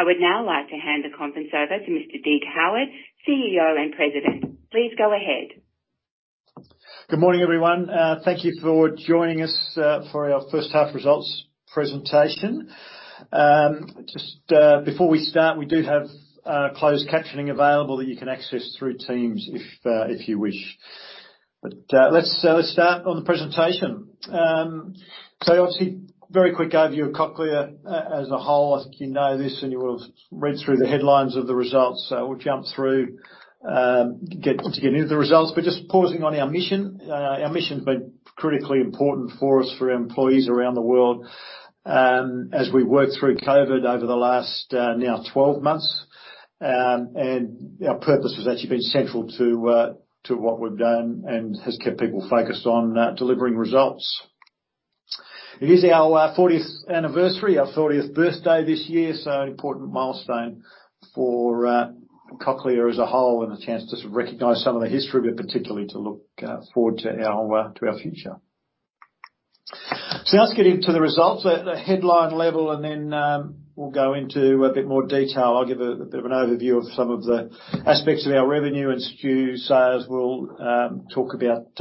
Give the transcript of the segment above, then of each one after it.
I would now like to hand the conference over to Mr. Dig Howitt, CEO and President. Please go ahead. Good morning, everyone. Thank you for joining us for our first half results presentation. Just before we start, we do have closed captioning available that you can access through Teams if you wish. Let's start on the presentation. obviously, very quick overview of Cochlear as a whole. I think you know this, and you will have read through the headlines of the results. we'll jump through to get into the results, but just pausing on our mission. Our mission's been critically important for us, for our employees around the world as we work through COVID over the last now 12 months. our purpose has actually been central to what we've done and has kept people focused on delivering results. It is our 40th anniversary, our 40th birthday this year, an important milestone for Cochlear as a whole, and a chance to recognize some of the history, but particularly to look forward to our future. Now let's get into the results at the headline level, then we'll go into a bit more detail. I'll give a bit of an overview of some of the aspects of our revenue, and Stu Sayers will talk about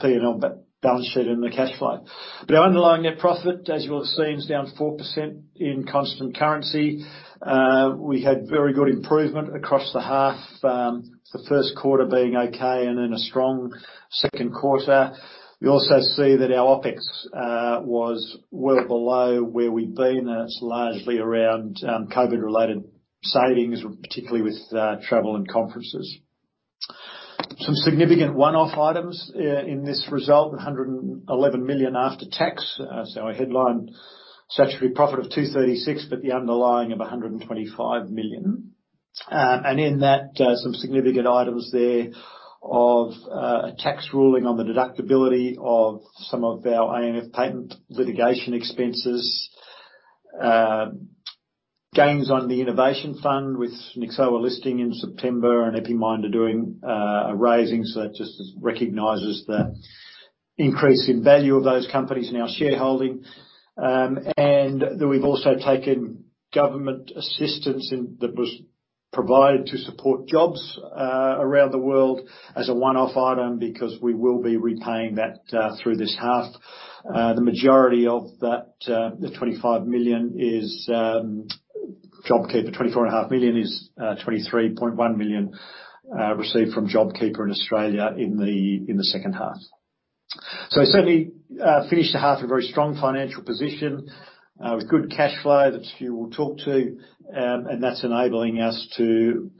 P&L, balance sheet, and the cash flow. Our underlying net profit, as you will have seen, is down 4% in constant currency. We had very good improvement across the half, the first quarter being okay, then a strong second quarter. We also see that our OpEx was well below where we've been. It's largely around COVID-related savings, particularly with travel and conferences. Some significant one-off items in this result, 111 million after tax. A headline statutory profit of 236 million, but the underlying of 125 million. In that, some significant items there of a tax ruling on the deductibility of some of our AMF patent litigation expenses, gains on the innovation fund with Nyxoah listing in September and Epiminder doing a raising. That just recognizes the increase in value of those companies in our shareholding. We've also taken government assistance that was provided to support jobs around the world as a one-off item because we will be repaying that through this half. The majority of that, the AUD 25 million is JobKeeper, 24.5 million is 23.1 million received from JobKeeper in Australia in the second half. We certainly finished the half with very strong financial position, with good cash flow that Stu will talk to, and that's enabling us to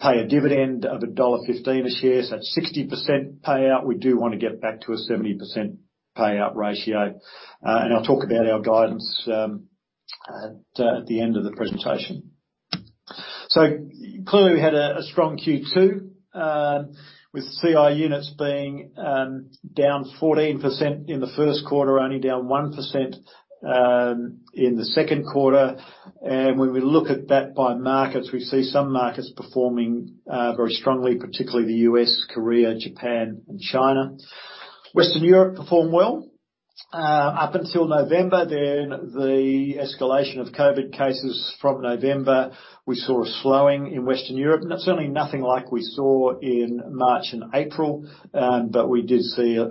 pay a dividend of dollar 1.15 a share. That's 60% payout. We do want to get back to a 70% payout ratio, and I'll talk about our guidance at the end of the presentation. Clearly, we had a strong Q2 with CI units being down 14% in the first quarter, only down 1% in the second quarter. When we look at that by markets, we see some markets performing very strongly, particularly the U.S., Korea, Japan, and China. Western Europe performed well up until November. The escalation of COVID cases from November, we saw a slowing in Western Europe, and certainly nothing like we saw in March and April. We did see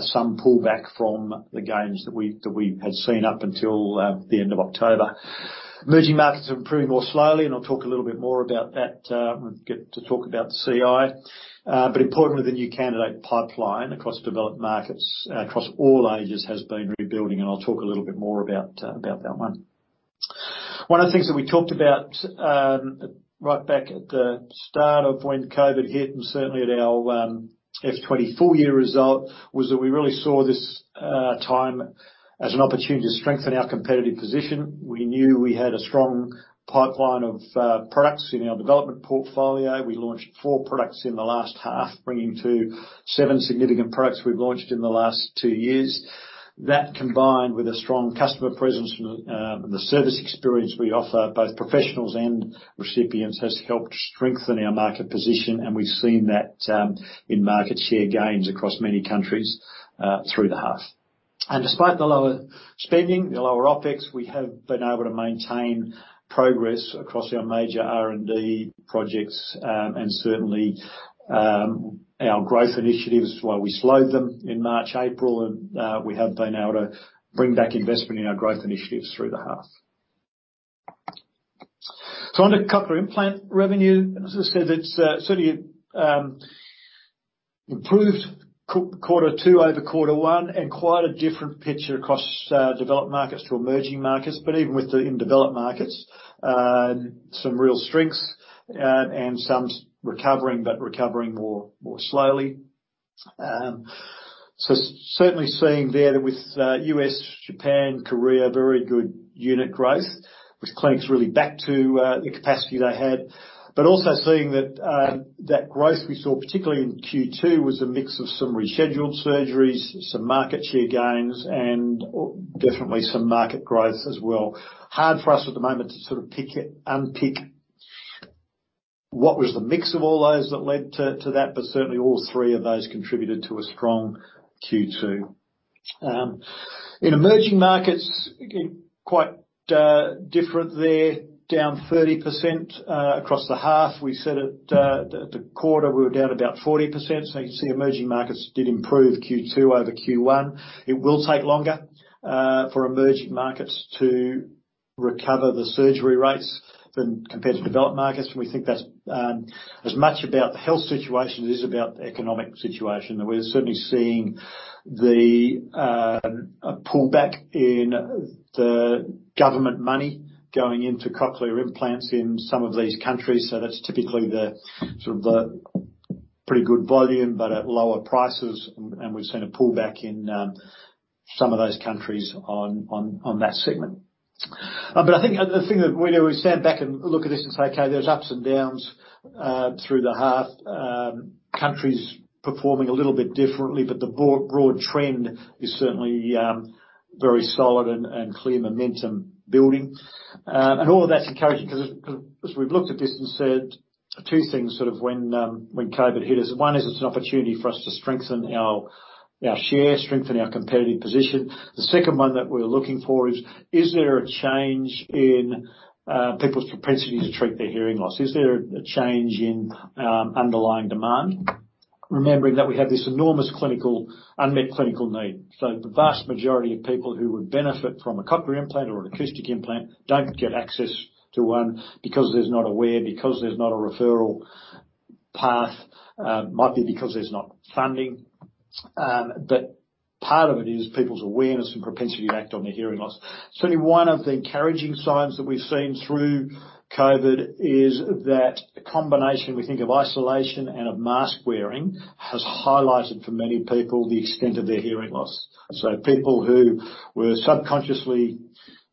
some pullback from the gains that we had seen up until the end of October. Emerging markets have improved more slowly, and I'll talk a little bit more about that when we get to talk about the CI. Importantly, the new candidate pipeline across developed markets across all ages has been rebuilding, and I'll talk a little bit more about that one. One of the things that we talked about right back at the start of when COVID hit, and certainly at our FY2020 full year result, was that we really saw this time as an opportunity to strengthen our competitive position. We knew we had a strong pipeline of products in our development portfolio. We launched four products in the last half, bringing to seven significant products we've launched in the last two years. That, combined with a strong customer presence from the service experience we offer both professionals and recipients, has helped strengthen our market position, and we've seen that in market share gains across many countries through the half. Despite the lower spending, the lower OpEx, we have been able to maintain progress across our major R&D projects and certainly our growth initiatives. While we slowed them in March, April, we have been able to bring back investment in our growth initiatives through the half. Under Cochlear Implant revenue, as I said, it's certainly improved quarter two over quarter one and quite a different picture across developed markets to emerging markets. Even within developed markets, some real strengths and some recovering but recovering more slowly. Certainly seeing there that with U.S., Japan, Korea, very good unit growth, with clinics really back to the capacity they had. Also seeing that that growth we saw, particularly in Q2, was a mix of some rescheduled surgeries, some market share gains, and definitely some market growth as well. Hard for us at the moment to sort of unpick what was the mix of all those that led to that? Certainly all three of those contributed to a strong Q2. In emerging markets, quite different there, down 30% across the half. We said at the quarter we were down about 40%, so you can see emerging markets did improve Q2 over Q1. It will take longer for emerging markets to recover the surgery rates compared to developed markets, and we think that's as much about the health situation as it is about the economic situation. We're certainly seeing the pullback in the government money going into cochlear implants in some of these countries. That's typically the pretty good volume, but at lower prices, and we've seen a pullback in some of those countries on that segment. I think the thing that we do, we stand back and look at this and say, "Okay, there's ups and downs through the half." Countries performing a little bit differently, but the broad trend is certainly very solid and clear momentum building. All of that's encouraging because as we've looked at this and said two things sort of when COVID hit us. One is it's an opportunity for us to strengthen our share, strengthen our competitive position. The second one that we're looking for is: Is there a change in people's propensity to treat their hearing loss? Is there a change in underlying demand? Remembering that we have this enormous unmet clinical need. The vast majority of people who would benefit from a cochlear implant or an acoustic implant don't get access to one because there's not aware, because there's not a referral path. Might be because there's not funding. Part of it is people's awareness and propensity to act on their hearing loss. Certainly, one of the encouraging signs that we've seen through COVID is that a combination, we think, of isolation and of mask-wearing has highlighted for many people the extent of their hearing loss. People who were subconsciously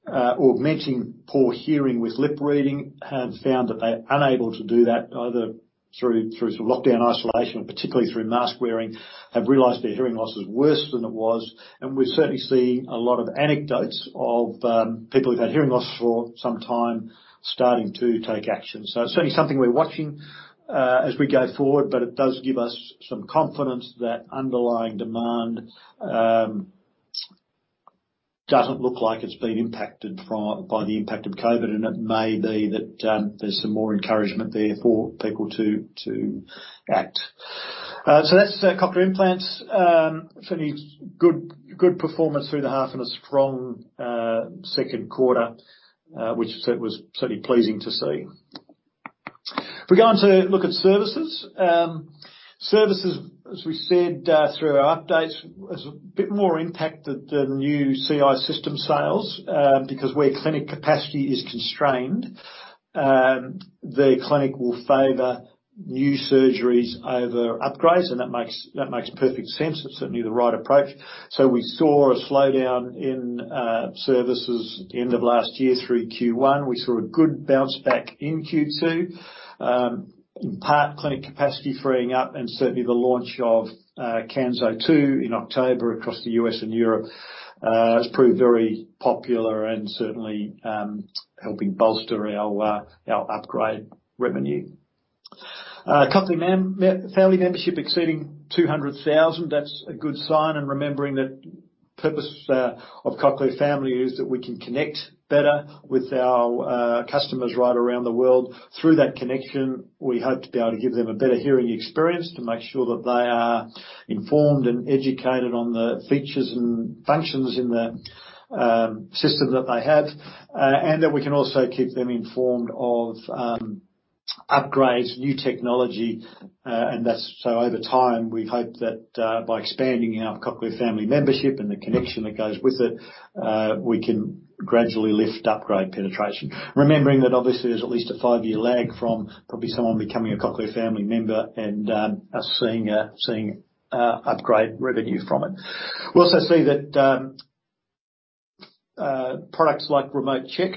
augmenting poor hearing with lip reading have found that they're unable to do that either through sort of lockdown isolation or particularly through mask-wearing, have realized their hearing loss is worse than it was. We're certainly seeing a lot of anecdotes of people who've had hearing loss for some time starting to take action. It's certainly something we're watching as we go forward, but it does give us some confidence that underlying demand doesn't look like it's been impacted by the impact of COVID. It may be that there's some more encouragement there for people to act. That's cochlear implants. Certainly good performance through the half and a strong second quarter, which was certainly pleasing to see. If we go on to look at services. Services, as we said through our updates, is a bit more impacted than new CI system sales. Because where clinic capacity is constrained, the clinic will favor new surgeries over upgrades, and that makes perfect sense. That's certainly the right approach. We saw a slowdown in services end of last year through Q1. We saw a good bounce back in Q2. In part, clinic capacity freeing up and certainly the launch of Kanso 2 in October across the U.S. and Europe has proved very popular and certainly helping bolster our upgrade revenue. Cochlear Family membership exceeding 200,000. That's a good sign. Remembering that purpose of Cochlear Family is that we can connect better with our customers right around the world. Through that connection, we hope to be able to give them a better hearing experience to make sure that they are informed and educated on the features and functions in the system that they have. That we can also keep them informed of upgrades, new technology. Over time, we hope that by expanding our Cochlear Family membership and the connection that goes with it, we can gradually lift upgrade penetration. Remembering that obviously there's at least a five-year lag from probably someone becoming a Cochlear Family member and us seeing upgrade revenue from it. We also see that products like Remote Check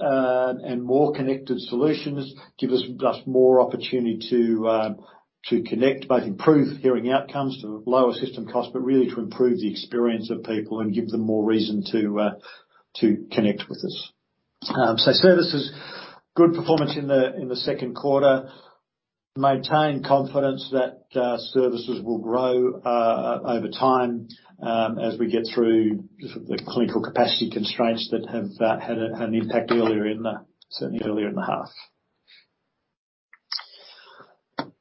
and more connected solutions give us more opportunity to connect, both improve hearing outcomes to lower system cost, but really to improve the experience of people and give them more reason to connect with us. Services, good performance in the second quarter. Maintain confidence that services will grow over time as we get through the clinical capacity constraints that have had an impact certainly earlier in the half.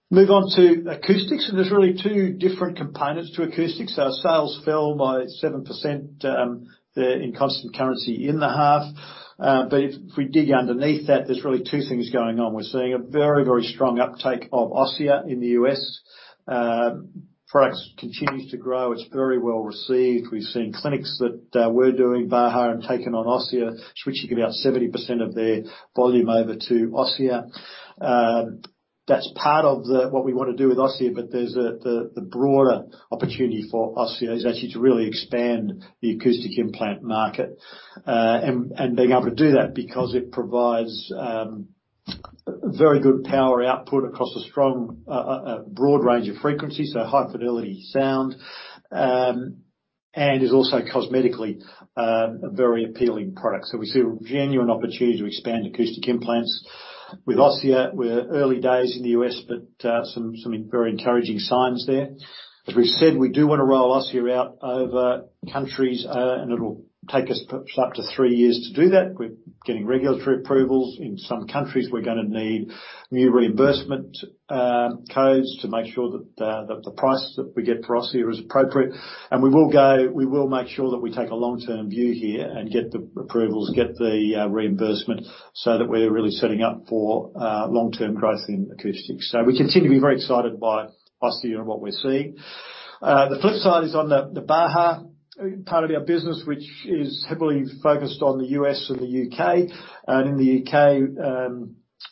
Move on to acoustics, there's really two different components to acoustics. Our sales fell by 7% there in constant currency in the half. If we dig underneath that, there's really two things going on. We're seeing a very, very strong uptake of Osia in the U.S. Product continues to grow. It's very well-received. We've seen clinics that were doing Baha and taken on Osia, switching about 70% of their volume over to Osia. That's part of what we want to do with Osia, but there's the broader opportunity for Osia, is actually to really expand the acoustic implant market. Being able to do that because it provides very good power output across a broad range of frequencies, so high-fidelity sound. Is also cosmetically a very appealing product. We see a genuine opportunity to expand acoustic implants. With Osia, we're early days in the U.S., but some very encouraging signs there. As we've said, we do want to roll Osia out over countries, and it'll take us perhaps up to three years to do that. We're getting regulatory approvals. In some countries, we're gonna need new reimbursement codes to make sure that the price that we get for Osia is appropriate. We will make sure that we take a long-term view here and get the approvals, get the reimbursement so that we're really setting up for long-term growth in acoustics. We continue to be very excited by Osia and what we're seeing. The flip side is on the Baha part of our business, which is heavily focused on the U.S. and the U.K. In the U.K.,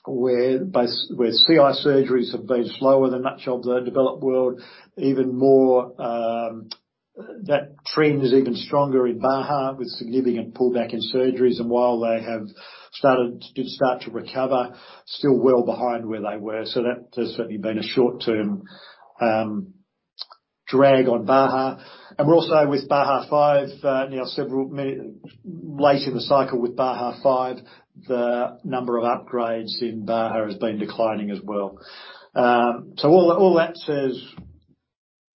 where CI surgeries have been slower than much of the developed world, that trend is even stronger in Baha, with significant pullback in surgeries, while they have started to recover, still well behind where they were. That has certainly been a short-term drag on Baha. We're also with Baha 5 now late in the cycle with Baha 5, the number of upgrades in Baha has been declining as well. All that says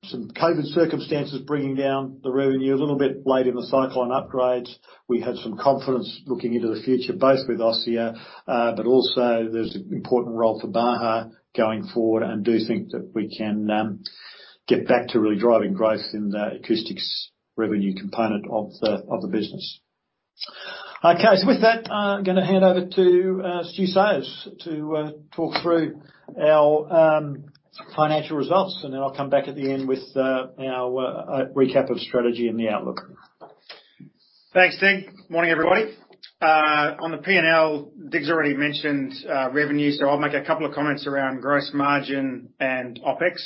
some COVID circumstances bringing down the revenue, a little bit late in the cycle on upgrades. We have some confidence looking into the future, both with Osia, but also there's an important role for Baha going forward, and do think that we can get back to really driving growth in the acoustics revenue component of the business. With that, I'm going to hand over to Stu Sayers to talk through our financial results, and then I'll come back at the end with our recap of strategy and the outlook. Thanks, Dig. Morning, everybody. On the P&L, Dig's already mentioned revenue. I'll make a couple of comments around gross margin and OpEx.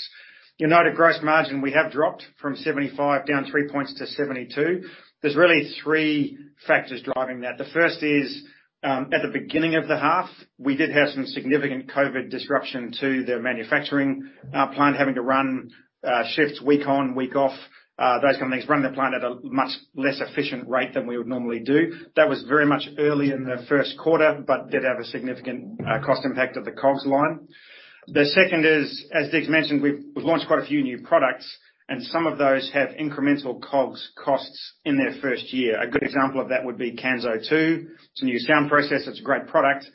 You'll note at gross margin, we have dropped from 75% down three points to 72%. There's really three factors driving that. The first is, at the beginning of the half, we did have some significant COVID disruption to the manufacturing plant having to run shifts week on, week off. Those companies run their plant at a much less efficient rate than we would normally do. That was very much early in the first quarter. It did have a significant cost impact at the COGS line. The second is, as Dig mentioned, we've launched quite a few new products. Some of those have incremental COGS costs in their first year. A good example of that would be Kanso 2. It's a new sound processor. It's a great product,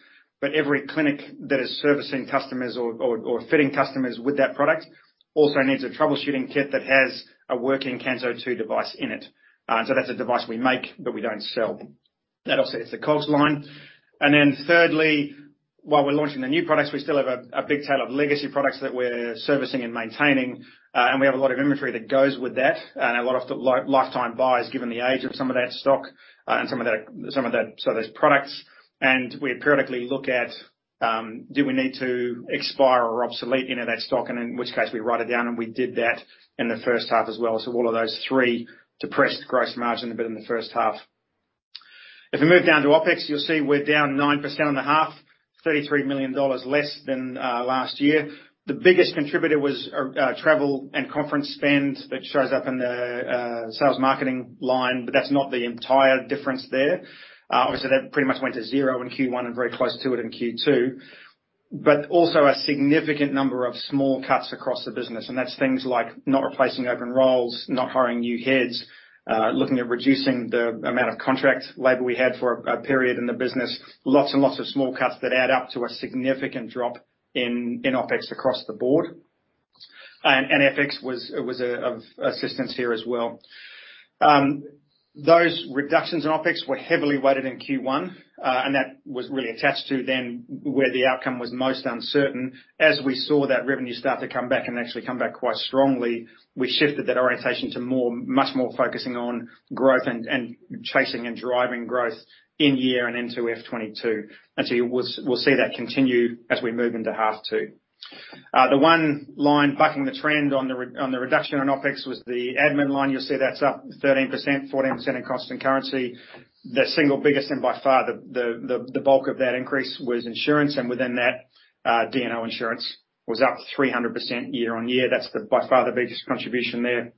every clinic that is servicing customers or fitting customers with that product also needs a troubleshooting kit that has a working Kanso 2 device in it. That's a device we make, but we don't sell. That offsets the COGS line. Thirdly, while we're launching the new products, we still have a big tail of legacy products that we're servicing and maintaining, and we have a lot of inventory that goes with that, and a lot of lifetime buys, given the age of some of that stock, and some of those products. We periodically look at, do we need to expire or obsolete any of that stock? In which case, we write it down, and we did that in the first half as well. All of those three depressed gross margin a bit in the first half. If we move down to OpEx, you'll see we're down 9% on the half, 33 million dollars less than last year. The biggest contributor was travel and conference spend, that shows up in the sales marketing line, but that's not the entire difference there. Obviously, that pretty much went to zero in Q1 and very close to it in Q2. Also a significant number of small cuts across the business, and that's things like not replacing open roles, not hiring new heads, looking at reducing the amount of contract labor we had for a period in the business. Lots and lots of small cuts that add up to a significant drop in OpEx across the board. FX was of assistance here as well. Those reductions in OpEx were heavily weighted in Q1, and that was really attached to then where the outcome was most uncertain. As we saw that revenue start to come back and actually come back quite strongly, we shifted that orientation to much more focusing on growth and chasing and driving growth in year and into FY2022. You will see that continue as we move into half two. The one line bucking the trend on the reduction in OpEx was the admin line. You'll see that's up 13%, 14% in cost and currency. The single biggest, and by far the bulk of that increase, was insurance, and within that, D&O insurance was up 300% year-on-year. That's by far the biggest contribution there.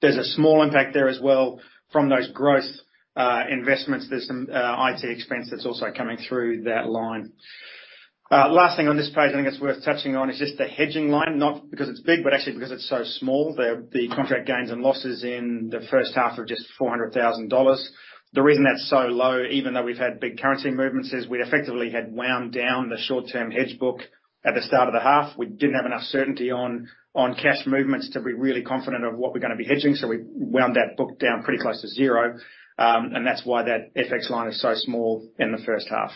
There's a small impact there as well from those growth investments. There's some IT expense that's also coming through that line. Last thing on this page I think that's worth touching on is just the hedging line, not because it's big, but actually because it's so small. The contract gains and losses in the first half are just 400,000 dollars. The reason that's so low, even though we've had big currency movements, is we effectively had wound down the short-term hedge book at the start of the half. We didn't have enough certainty on cash movements to be really confident of what we're gonna be hedging, so we wound that book down pretty close to zero, and that's why that FX line is so small in the first half.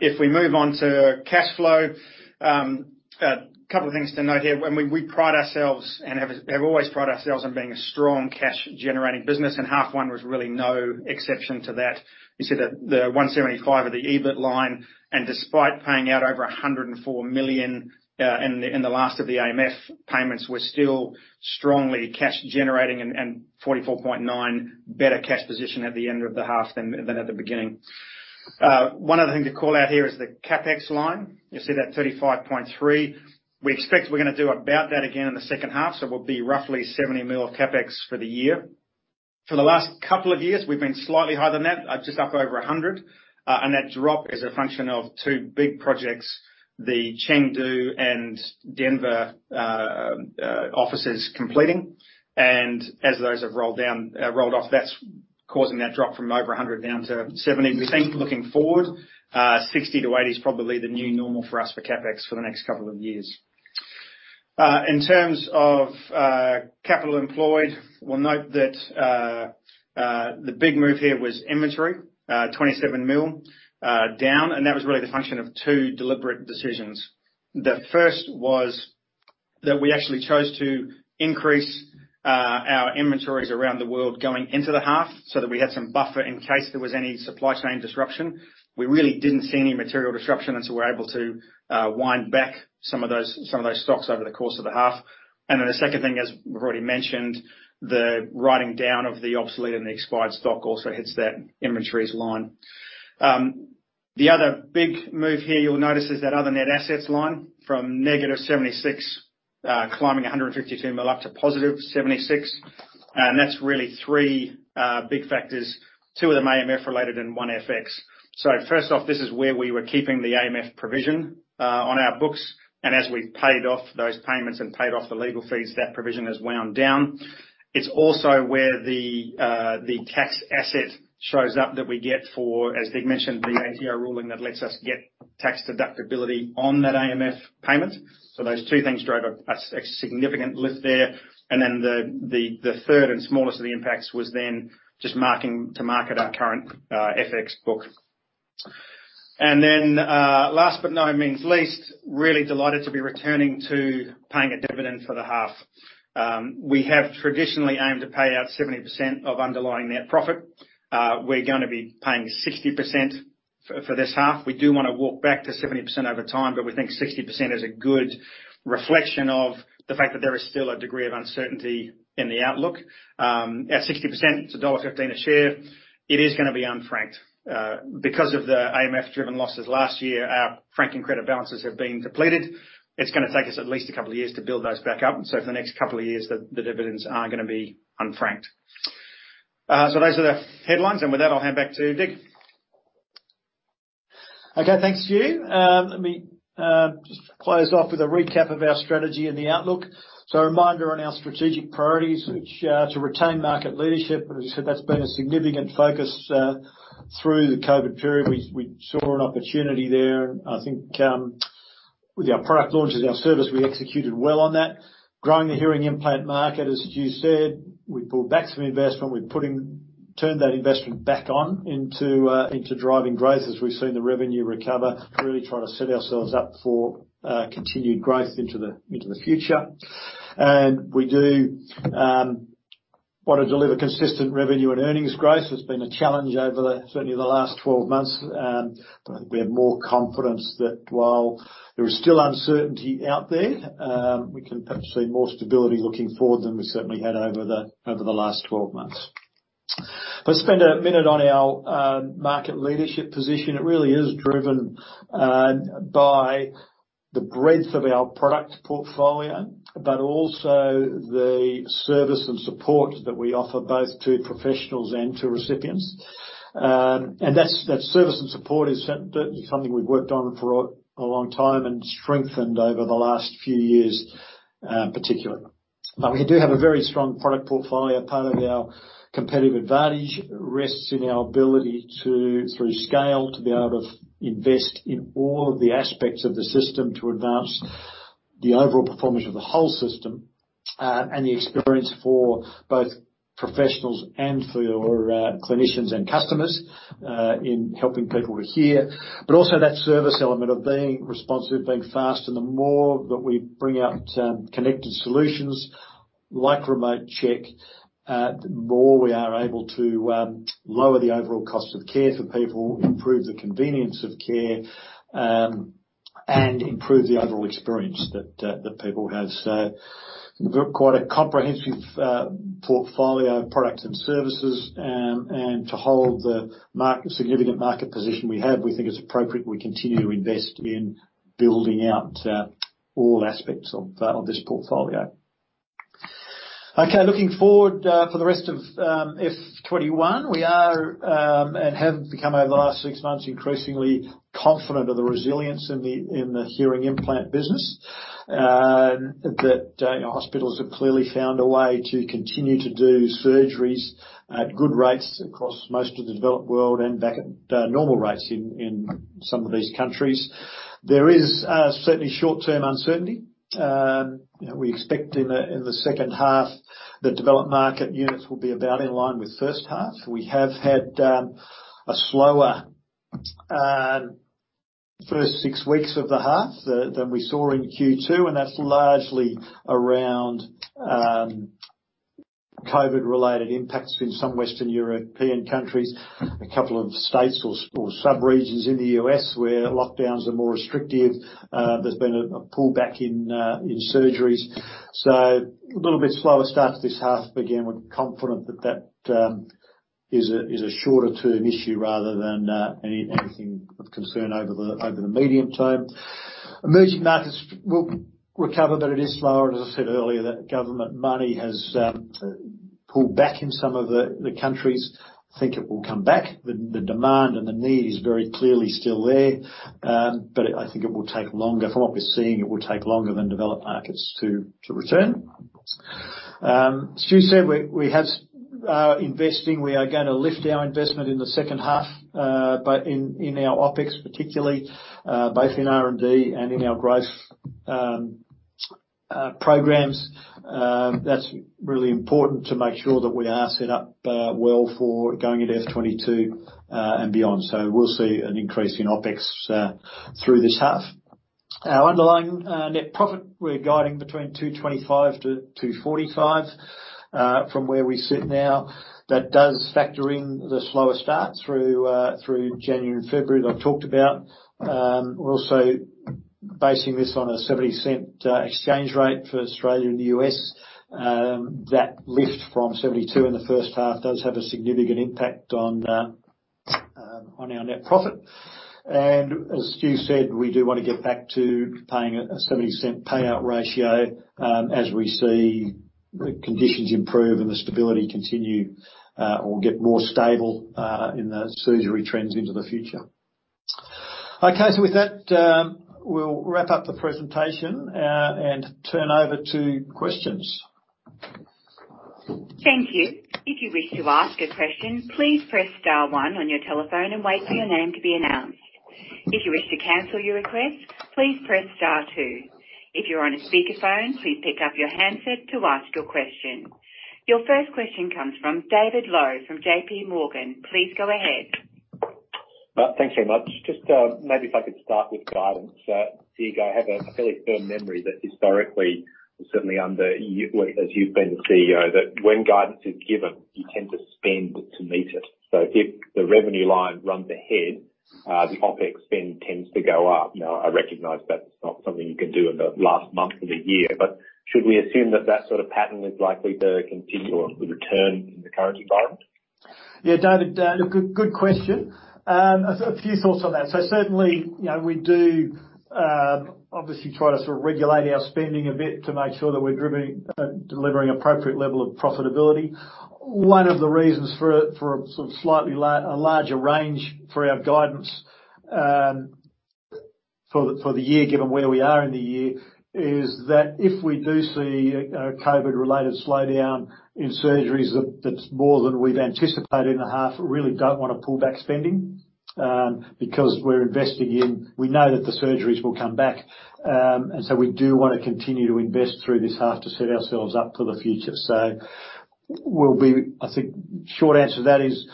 If we move on to cash flow, couple of things to note here. We pride ourselves, and have always prided ourselves, on being a strong cash-generating business, and half one was really no exception to that. You see the 175 million of the EBIT line. Despite paying out over 104 million in the last of the AMF payments, we're still strongly cash generating, 44.9 million better cash position at the end of the half than at the beginning. One other thing to call out here is the CapEx line. You'll see that 35.3 million. We expect we're going to do about that again in the second half. We'll be roughly 70 million of CapEx for the year. For the last couple of years, we've been slightly higher than that, just up over 100 million. That drop is a function of two big projects, the Chengdu and Denver offices completing. As those have rolled off, that's causing that drop from over 100 million down to 70 million. We think looking forward, 60 million-80 million is probably the new normal for us for CapEx for the next couple of years. In terms of capital employed, we'll note that the big move here was inventory, 27 million down. That was really the function of two deliberate decisions. The first was that we actually chose to increase our inventories around the world going into the half so that we had some buffer in case there was any supply chain disruption. We really didn't see any material disruption. We were able to wind back some of those stocks over the course of the half. The second thing, as we've already mentioned, the writing down of the obsolete and the expired stock also hits that inventories line. The other big move here you'll notice is that other net assets line from -76 million climbing 152 million up to +76 million. That's really three big factors. Two of them AMF-related and one FX. First off, this is where we were keeping the AMF provision on our books. As we paid off those payments and paid off the legal fees, that provision has wound down. It's also where the tax asset shows up that we get for, as Dig mentioned, the ATO ruling that lets us get tax deductibility on that AMF payment. Those two things drove a significant lift there. The third and smallest of the impacts was then just to market our current FX book. Last but no means least, really delighted to be returning to paying a dividend for the half. We have traditionally aimed to pay out 70% of underlying net profit. We're going to be paying 60% for this half. We do want to walk back to 70% over time, but we think 60% is a good reflection of the fact that there is still a degree of uncertainty in the outlook. At 60%, it's dollar 1.15 a share. It is going to be unfranked. Because of the AMF-driven losses last year, our franking credit balances have been depleted. It's going to take us at least a couple of years to build those back up. For the next couple of years, the dividends are going to be unfranked. Those are the headlines. With that, I'll hand back to Dig. Okay. Thanks, Stu. Let me just close off with a recap of our strategy and the outlook. A reminder on our strategic priorities, which are to retain market leadership. As you said, that's been a significant focus through the COVID period. We saw an opportunity there, and I think with our product launches and our service, we executed well on that. Growing the hearing implant market, as Stu said, we pulled back some investment. We turned that investment back on into driving growth as we've seen the revenue recover. Really trying to set ourselves up for continued growth into the future. We do want to deliver consistent revenue and earnings growth. That's been a challenge over certainly the last 12 months. I think we have more confidence that while there is still uncertainty out there, we can perhaps see more stability looking forward than we've certainly had over the last 12 months. Let's spend a minute on our market leadership position. It really is driven by the breadth of our product portfolio, but also the service and support that we offer both to professionals and to recipients. That service and support is certainly something we've worked on for a long time and strengthened over the last few years, particularly. We do have a very strong product portfolio. Part of our competitive advantage rests in our ability to, through scale, to be able to invest in all of the aspects of the system to advance the overall performance of the whole system, and the experience for both professionals and for clinicians and customers, in helping people to hear. Also that service element of being responsive, being fast, and the more that we bring out connected solutions like Remote Check, the more we are able to lower the overall cost of care for people, improve the convenience of care, and improve the overall experience that people have. We've got quite a comprehensive portfolio of products and services. To hold the significant market position we have, we think it's appropriate we continue to invest in building out all aspects of this portfolio. Looking forward, for the rest of FY 2021, we are and have become, over the last six months, increasingly confident of the resilience in the hearing implant business, that hospitals have clearly found a way to continue to do surgeries at good rates across most of the developed world and back at normal rates in some of these countries. There is certainly short-term uncertainty. We expect in the second half, the developed market units will be about in line with the first half. We have had a slower first six weeks of the half than we saw in Q2. That's largely around COVID-related impacts in some Western European countries, a couple of states or sub-regions in the U.S. where lockdowns are more restrictive. There's been a pullback in surgeries. A little bit slower start to this half. Again, we're confident that that is a shorter-term issue rather than anything of concern over the medium-term. Emerging markets will recover. It is slower. As I said earlier, that government money has pulled back in some of the countries. I think it will come back. The demand and the need is very clearly still there. I think it will take longer. From what we're seeing, it will take longer than developed markets to return. Stu said we are investing. We are going to lift our investment in the second half, in our OpEx particularly, both in R&D and in our growth programs. That's really important to make sure that we are set up well for going into FY 2022 and beyond. We'll see an increase in OpEx through this half. Our underlying net profit, we're guiding between 225-245. From where we sit now, that does factor in the slower start through January and February that I've talked about. We're also basing this on an 0.70 exchange rate for Australia and the U.S. That lift from 0.72 in the first half does have a significant impact on our net profit. As Stu said, we do want to get back to paying a 0.70 payout ratio, as we see the conditions improve and the stability continue or get more stable in the surgery trends into the future. Okay. With that, we'll wrap up the presentation and turn over to questions. Thank you. Your first question comes from David Low from JPMorgan. Please go ahead. Thanks very much. Just maybe if I could start with guidance. You guys have a fairly firm memory that historically, or certainly as you've been the CEO, that when guidance is given, you tend to spend to meet it. If the revenue line runs ahead, the OpEx spend tends to go up. I recognize that's not something you can do in the last month of the year, should we assume that sort of pattern is likely to continue or to return in the current environment? Yeah, David, good question. A few thoughts on that. Certainly, we do obviously try to sort of regulate our spending a bit to make sure that we're delivering appropriate level of profitability. One of the reasons for a slightly larger range for our guidance for the year, given where we are in the year, is that if we do see a COVID-related slowdown in surgeries that's more than we've anticipated in the half, we really don't want to pull back spending, because we're investing in, we know that the surgeries will come back. We do want to continue to invest through this half to set ourselves up for the future. I think short answer to that is,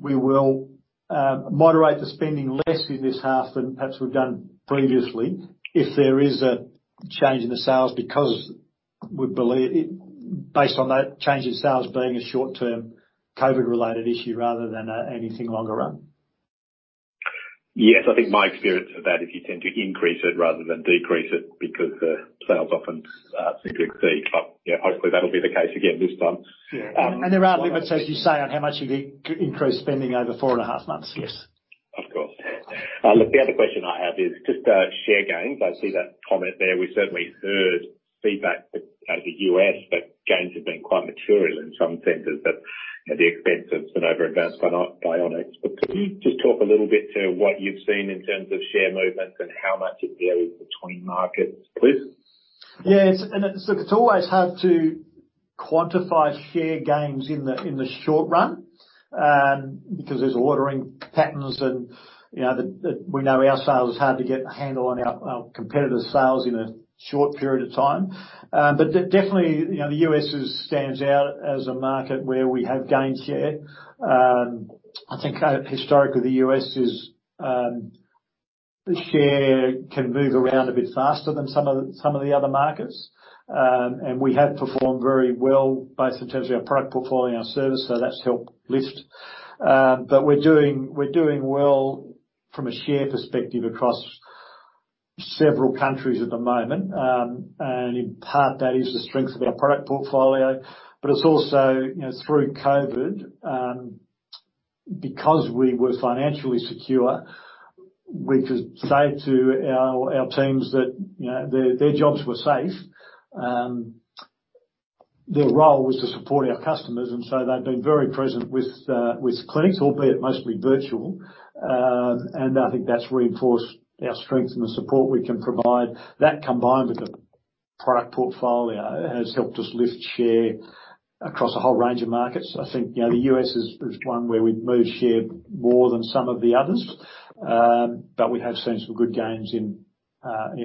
we will moderate the spending less in this half than perhaps we've done previously, if there is a change in the sales because we believe, based on that change in sales being a short-term COVID-related issue rather than anything longer run. Yes, I think my experience of that, if you tend to increase it rather than decrease it, because the sales often seem to exceed. Hopefully, that'll be the case again this time. Yeah. There are limits, as you say, on how much you could increase spending over four and a half months. Yes. Of course. Look, the other question I have is just share gains. I see that comment there. We certainly heard feedback out of the U.S. that gains have been quite material in some centers at the expense of some over Advanced Bionics. Could you just talk a little bit to what you've seen in terms of share movements and how much it varies between markets, please? Yes. Look, it's always hard to quantify share gains in the short run, because there's ordering patterns, and we know our sales. It's hard to get a handle on our competitors' sales in a short period of time. Definitely, the U.S. stands out as a market where we have gained share. I think historically, the U.S.'s share can move around a bit faster than some of the other markets. We have performed very well, both in terms of our product portfolio and our service, so that's helped lift. We're doing well from a share perspective across several countries at the moment. In part, that is the strength of our product portfolio, but it's also through COVID. We were financially secure, we could say to our teams that their jobs were safe. Their role was to support our customers, they've been very present with clinics, albeit mostly virtual. I think that's reinforced our strength and the support we can provide. That combined with the product portfolio, has helped us lift share across a whole range of markets. I think the U.S. is one where we've moved share more than some of the others. We have seen some good gains, I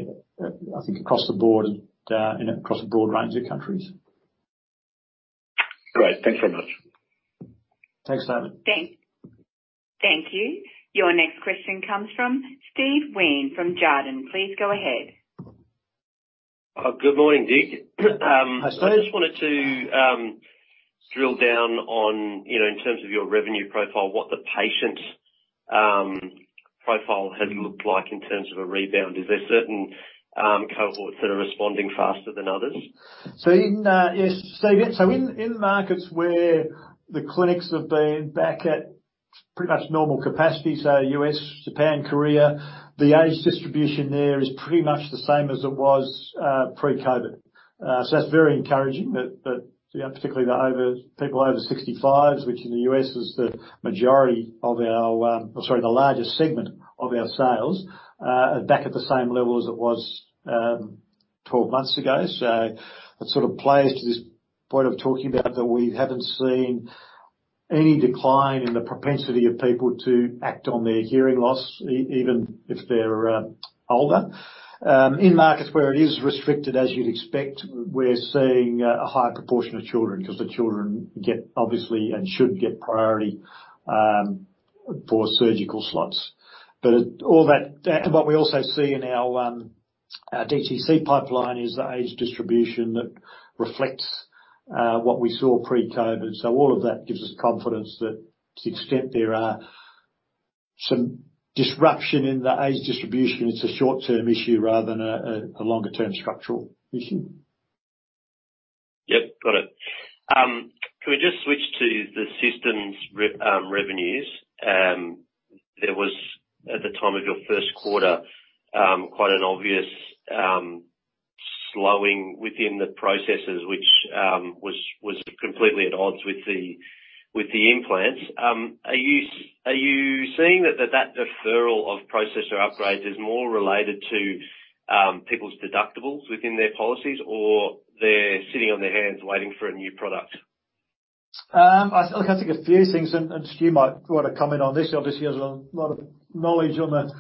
think, across the board, across a broad range of countries. Great. Thanks very much. Thanks, David. Thank you. Your next question comes from Steve Wheen from Jarden. Please go ahead. Good morning, Dig. Hi, Steve. I just wanted to drill down on, in terms of your revenue profile, what the patient's profile has looked like in terms of a rebound. Is there certain cohorts that are responding faster than others? Yes, Steve. In markets where the clinics have been back at pretty much normal capacity. U.S., Japan, Korea, the age distribution there is pretty much the same as it was pre-COVID. That's very encouraging that particularly the people over 65, which in the U.S. is the largest segment of our sales, are back at the same level as it was 12 months ago. That sort of plays to this point of talking about that we haven't seen any decline in the propensity of people to act on their hearing loss, even if they're older. In markets where it is restricted, as you'd expect, we're seeing a higher proportion of children because the children get, obviously, and should get priority for surgical slots. What we also see in our DTC pipeline is the age distribution that reflects what we saw pre-COVID. All of that gives us confidence that to the extent there are some disruption in the age distribution, it's a short-term issue rather than a longer-term structural issue. Yep, got it. Can we just switch to the systems revenues? There was, at the time of your first quarter, quite an obvious slowing within the processors, which was completely at odds with the implants. Are you seeing that deferral of processor upgrades is more related to people's deductibles within their policies, or they're sitting on their hands waiting for a new product? I think a few things, and Stu might want to comment on this. Obviously, he has a lot of knowledge on the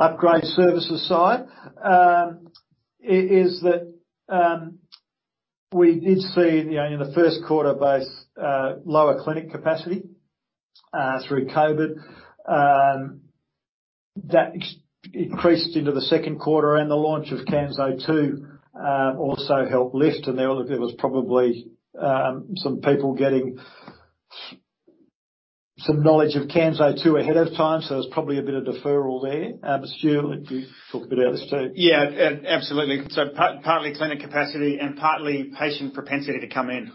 upgrade services side. Is that we did see in the first quarter base lower clinic capacity through COVID, that increased into the second quarter, and the launch of Kanso 2 also helped lift. There was probably some people getting some knowledge of Kanso 2 ahead of time, so there was probably a bit of deferral there. Stu, you talk a bit about this too. Yeah, absolutely. Partly clinic capacity and partly patient propensity to come in.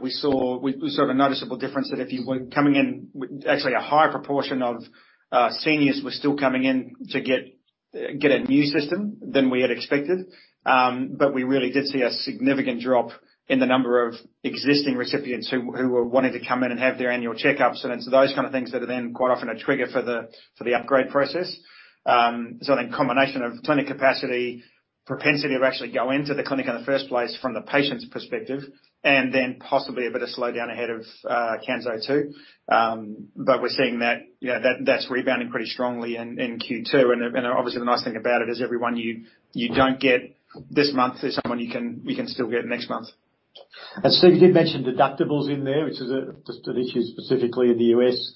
We saw a noticeable difference that if you were coming in with Actually, a higher proportion of seniors were still coming in to get a new system than we had expected. We really did see a significant drop in the number of existing recipients who were wanting to come in and have their annual checkups. Those kind of things that are then quite often a trigger for the upgrade process. I think combination of clinic capacity, propensity to actually go into the clinic in the first place from the patient's perspective, and then possibly a bit of slowdown ahead of Kanso 2. We're seeing that's rebounding pretty strongly in Q2. Obviously, the nice thing about it is everyone you don't get this month is someone you can still get next month. Stu, you did mention deductibles in there, which is just an issue specifically in the U.S.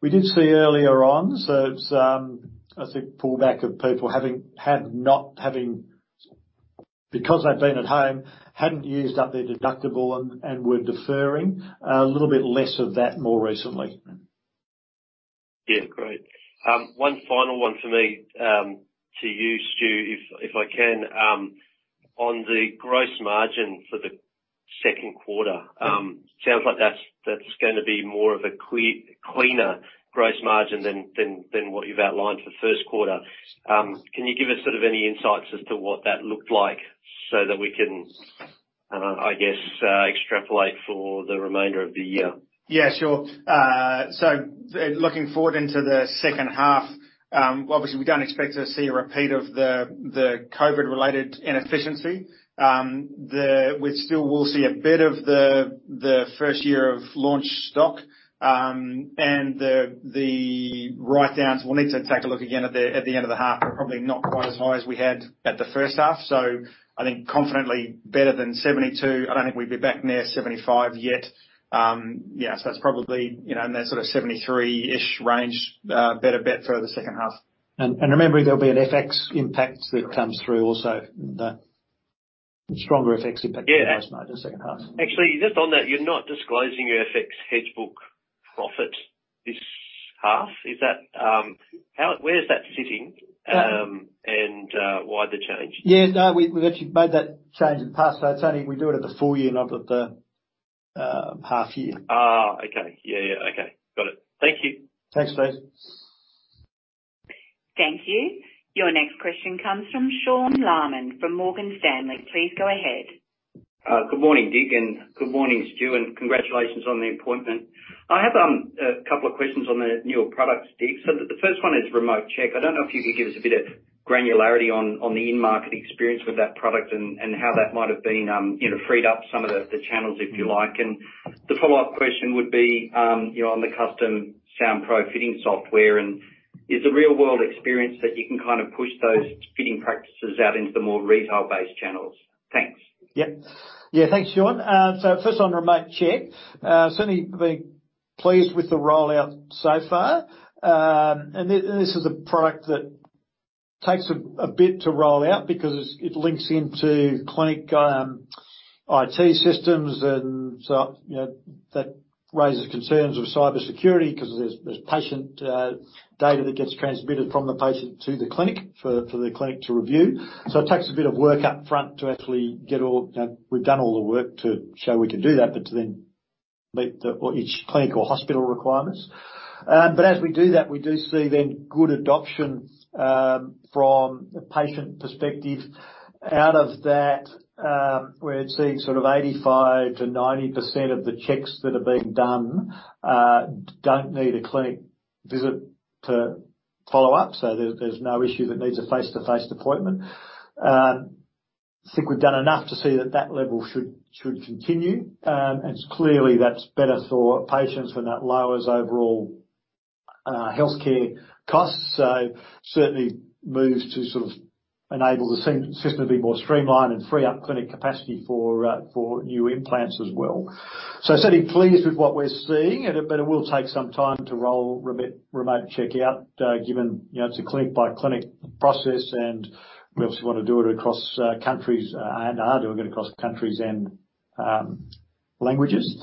We did see earlier on, it's, I think, pullback of people, because they'd been at home, hadn't used up their deductible and were deferring. A little bit less of that more recently. Great. One final one for me to you, Stu, if I can. On the gross margin for the second quarter, sounds like that's going to be more of a cleaner gross margin than what you've outlined for the first quarter. Can you give us sort of any insights as to what that looked like so that we can, I guess, extrapolate for the remainder of the year? Yeah, sure. Looking forward into the second half, obviously we don't expect to see a repeat of the COVID-related inefficiency. We still will see a bit of the first year of launch stock, and the write-downs, we'll need to take a look again at the end of the half, are probably not quite as high as we had at the first half. I think confidently better than 72%. I don't think we'd be back near 75% yet. Yeah. That's probably in that sort of 73%-ish range, better bet for the second half. Remember, there'll be an FX impact that comes through also. The stronger FX impact- Yeah. in the second half. Actually, just on that, you're not disclosing your FX hedge book profit this half. Where is that sitting? Yeah. Why the change? Yeah, no, we've actually made that change in the past. It's only we do it at the full year, not at the half year. Okay. Yeah. Okay. Got it. Thank you. Thanks, Steve. Thank you. Your next question comes from Sean Laaman from Morgan Stanley. Please go ahead. Good morning, Dig, and good morning, Stu, and congratulations on the appointment. I have a couple of questions on the newer products, Dig. The first one is Remote Check. I don't know if you could give us a bit of granularity on the in-market experience with that product and how that might have been freed up some of the channels, if you like. The follow-up question would be on the Custom Sound Pro fitting software, and is the real-world experience that you can kind of push those fitting practices out into the more retail-based channels? Thanks. Yep. Yeah, thanks, Sean. First on Remote Check. Certainly been pleased with the rollout so far. This is a product that takes a bit to roll out because it links into clinic IT systems, and so that raises concerns of cybersecurity because there's patient data that gets transmitted from the patient to the clinic for the clinic to review. It takes a bit of work up front to actually get all. We've done all the work to show we can do that, but to then meet each clinical hospital requirements. As we do that, we do see then good adoption from a patient perspective. Out of that, we're seeing sort of 85%-90% of the checks that are being done don't need a clinic visit to follow up. There's no issue that needs a face-to-face appointment. I think we've done enough to see that that level should continue. Clearly, that's better for patients when that lowers overall healthcare costs. Certainly moves to sort of enable the system to be more streamlined and free up clinic capacity for new implants as well. Certainly pleased with what we're seeing, but it will take some time to roll Remote Check out, given it's a clinic-by-clinic process, and we obviously want to do it across countries and are doing it across countries and languages.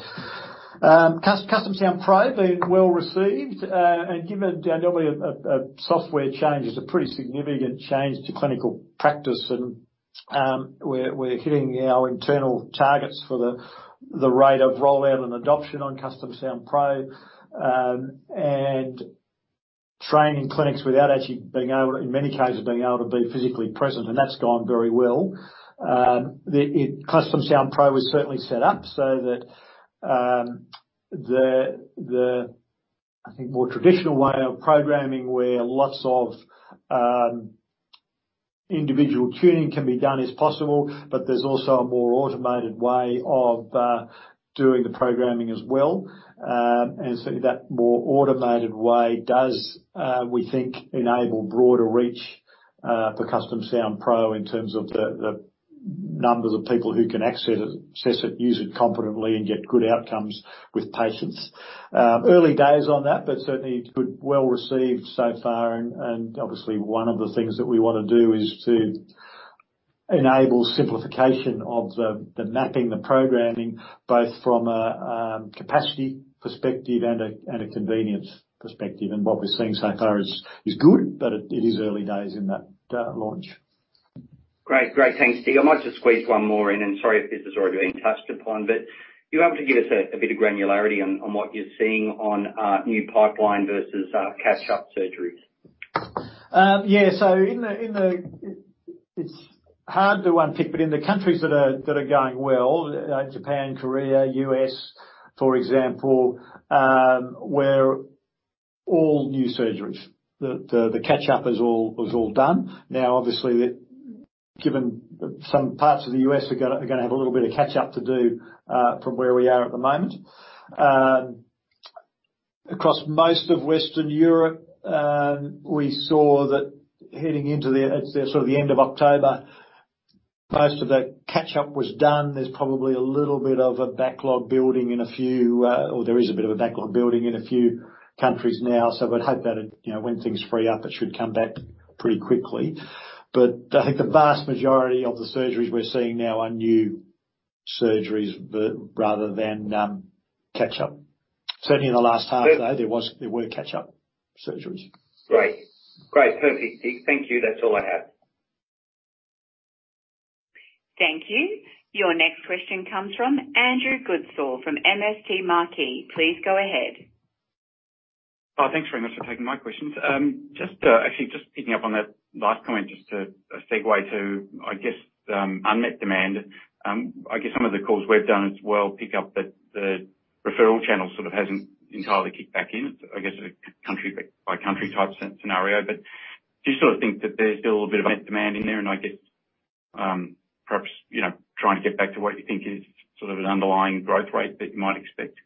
Custom Sound Pro being well-received, and given normally a software change is a pretty significant change to clinical practice, and we're hitting our internal targets for the rate of rollout and adoption on Custom Sound Pro. Training clinics without actually, in many cases, being able to be physically present, and that's gone very well. Custom Sound Pro was certainly set up so that the, I think, more traditional way of programming, where lots of individual tuning can be done, is possible. There's also a more automated way of doing the programming as well. Certainly, that more automated way does, we think, enable broader reach for Custom Sound Pro in terms of the numbers of people who can access it, use it competently, and get good outcomes with patients. Early days on that, but certainly good, well-received so far, and obviously, one of the things that we want to do is to enable simplification of the mapping, the programming, both from a capacity perspective and a convenience perspective. What we're seeing so far is good, but it is early days in that launch. Great. Thanks, Dig. I might just squeeze one more in. Sorry if this has already been touched upon, but are you able to give us a bit of granularity on what you're seeing on new pipeline versus catch-up surgeries? Yeah. It's hard to untick. In the countries that are going well, Japan, Korea, U.S., for example, where all new surgeries, the catch-up was all done. Now, obviously, given some parts of the U.S. are going to have a little bit of catch-up to do from where we are at the moment. Across most of Western Europe, we saw that heading into the end of October, most of the catch-up was done. There's probably a little bit of a backlog building in a few, or there is a bit of a backlog building in a few countries now. We'd hope that when things free up, it should come back pretty quickly. I think the vast majority of the surgeries we're seeing now are new surgeries rather than catch-up. Certainly in the last half, though, there were catch-up surgeries. Great. Perfect, Dig. Thank you. That's all I have. Thank you. Your next question comes from Andrew Goodsall from MST Marquee. Please go ahead. Thanks very much for taking my questions. Actually, just picking up on that last comment, just a segue to, I guess, unmet demand. I guess some of the calls we've done as well pick up that the referral channel sort of hasn't entirely kicked back in. I guess a country-by-country-type scenario. Do you still think that there's still a bit of unmet demand in there? I guess perhaps trying to get back to what you think is sort of an underlying growth rate that you might expect.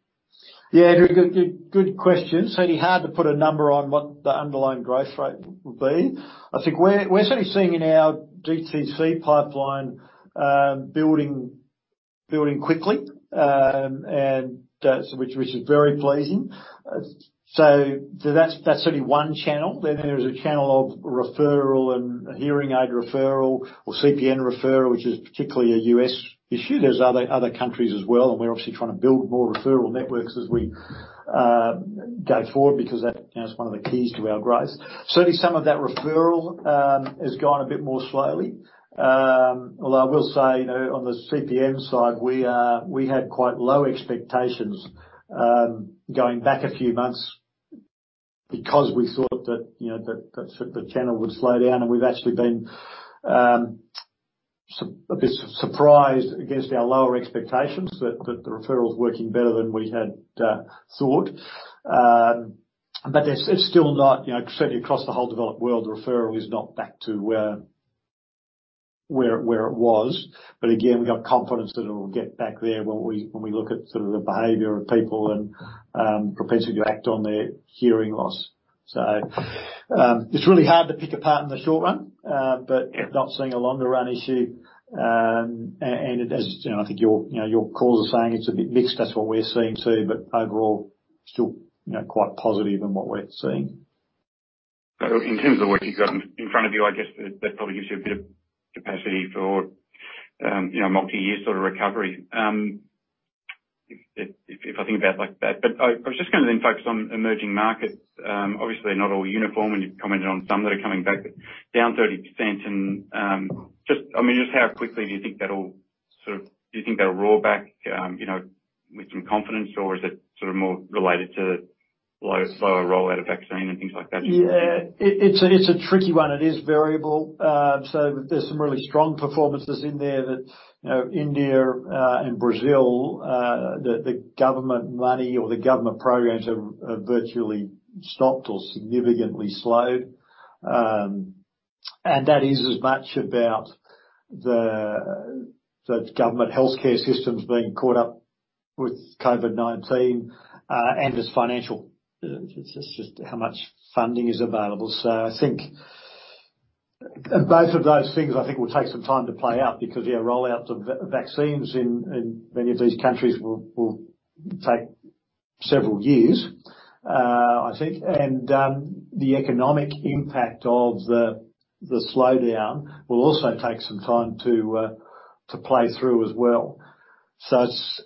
Yeah, Andrew, good question. Certainly hard to put a number on what the underlying growth rate will be. I think we're certainly seeing in our DTC pipeline building quickly, and which is very pleasing. That's only one channel. There is a channel of referral and hearing aid referral or CPN referral, which is particularly a U.S. issue. There's other countries as well. We're obviously trying to build more referral networks as we go forward because that is one of the keys to our growth. Certainly, some of that referral has gone a bit more slowly. I will say, on the CPN side, we had quite low expectations going back a few months because we thought that the channel would slow down. We've actually been a bit surprised against our lower expectations that the referral is working better than we had thought. It's still not certainly across the whole developed world, referral is not back to where it was. Again, we got confidence that it will get back there when we look at sort of the behavior of people and propensity to act on their hearing loss. It's really hard to pick apart in the short run, but not seeing a longer run issue. As I think your calls are saying, it's a bit mixed. That's what we're seeing too. Overall, still quite positive in what we're seeing. In terms of the work you've got in front of you, I guess that probably gives you a bit of capacity for multi-year sort of recovery. If I think about it like that. I was just going to then focus on emerging markets. Obviously, not all uniform, and you've commented on some that are coming back down 30%. Just how quickly do you think that'll claw back with some confidence, or is it sort of more related to slower rollout of vaccine and things like that? Yeah. It's a tricky one. It is variable. There's some really strong performances in there that India and Brazil, the government money or the government programs have virtually stopped or significantly slowed. That is as much about the government healthcare systems being caught up with COVID-19, and it's financial. It's just how much funding is available. I think both of those things, I think will take some time to play out because, yeah, rollouts of vaccines in many of these countries will take several years, I think. The economic impact of the slowdown will also take some time to play through as well. It's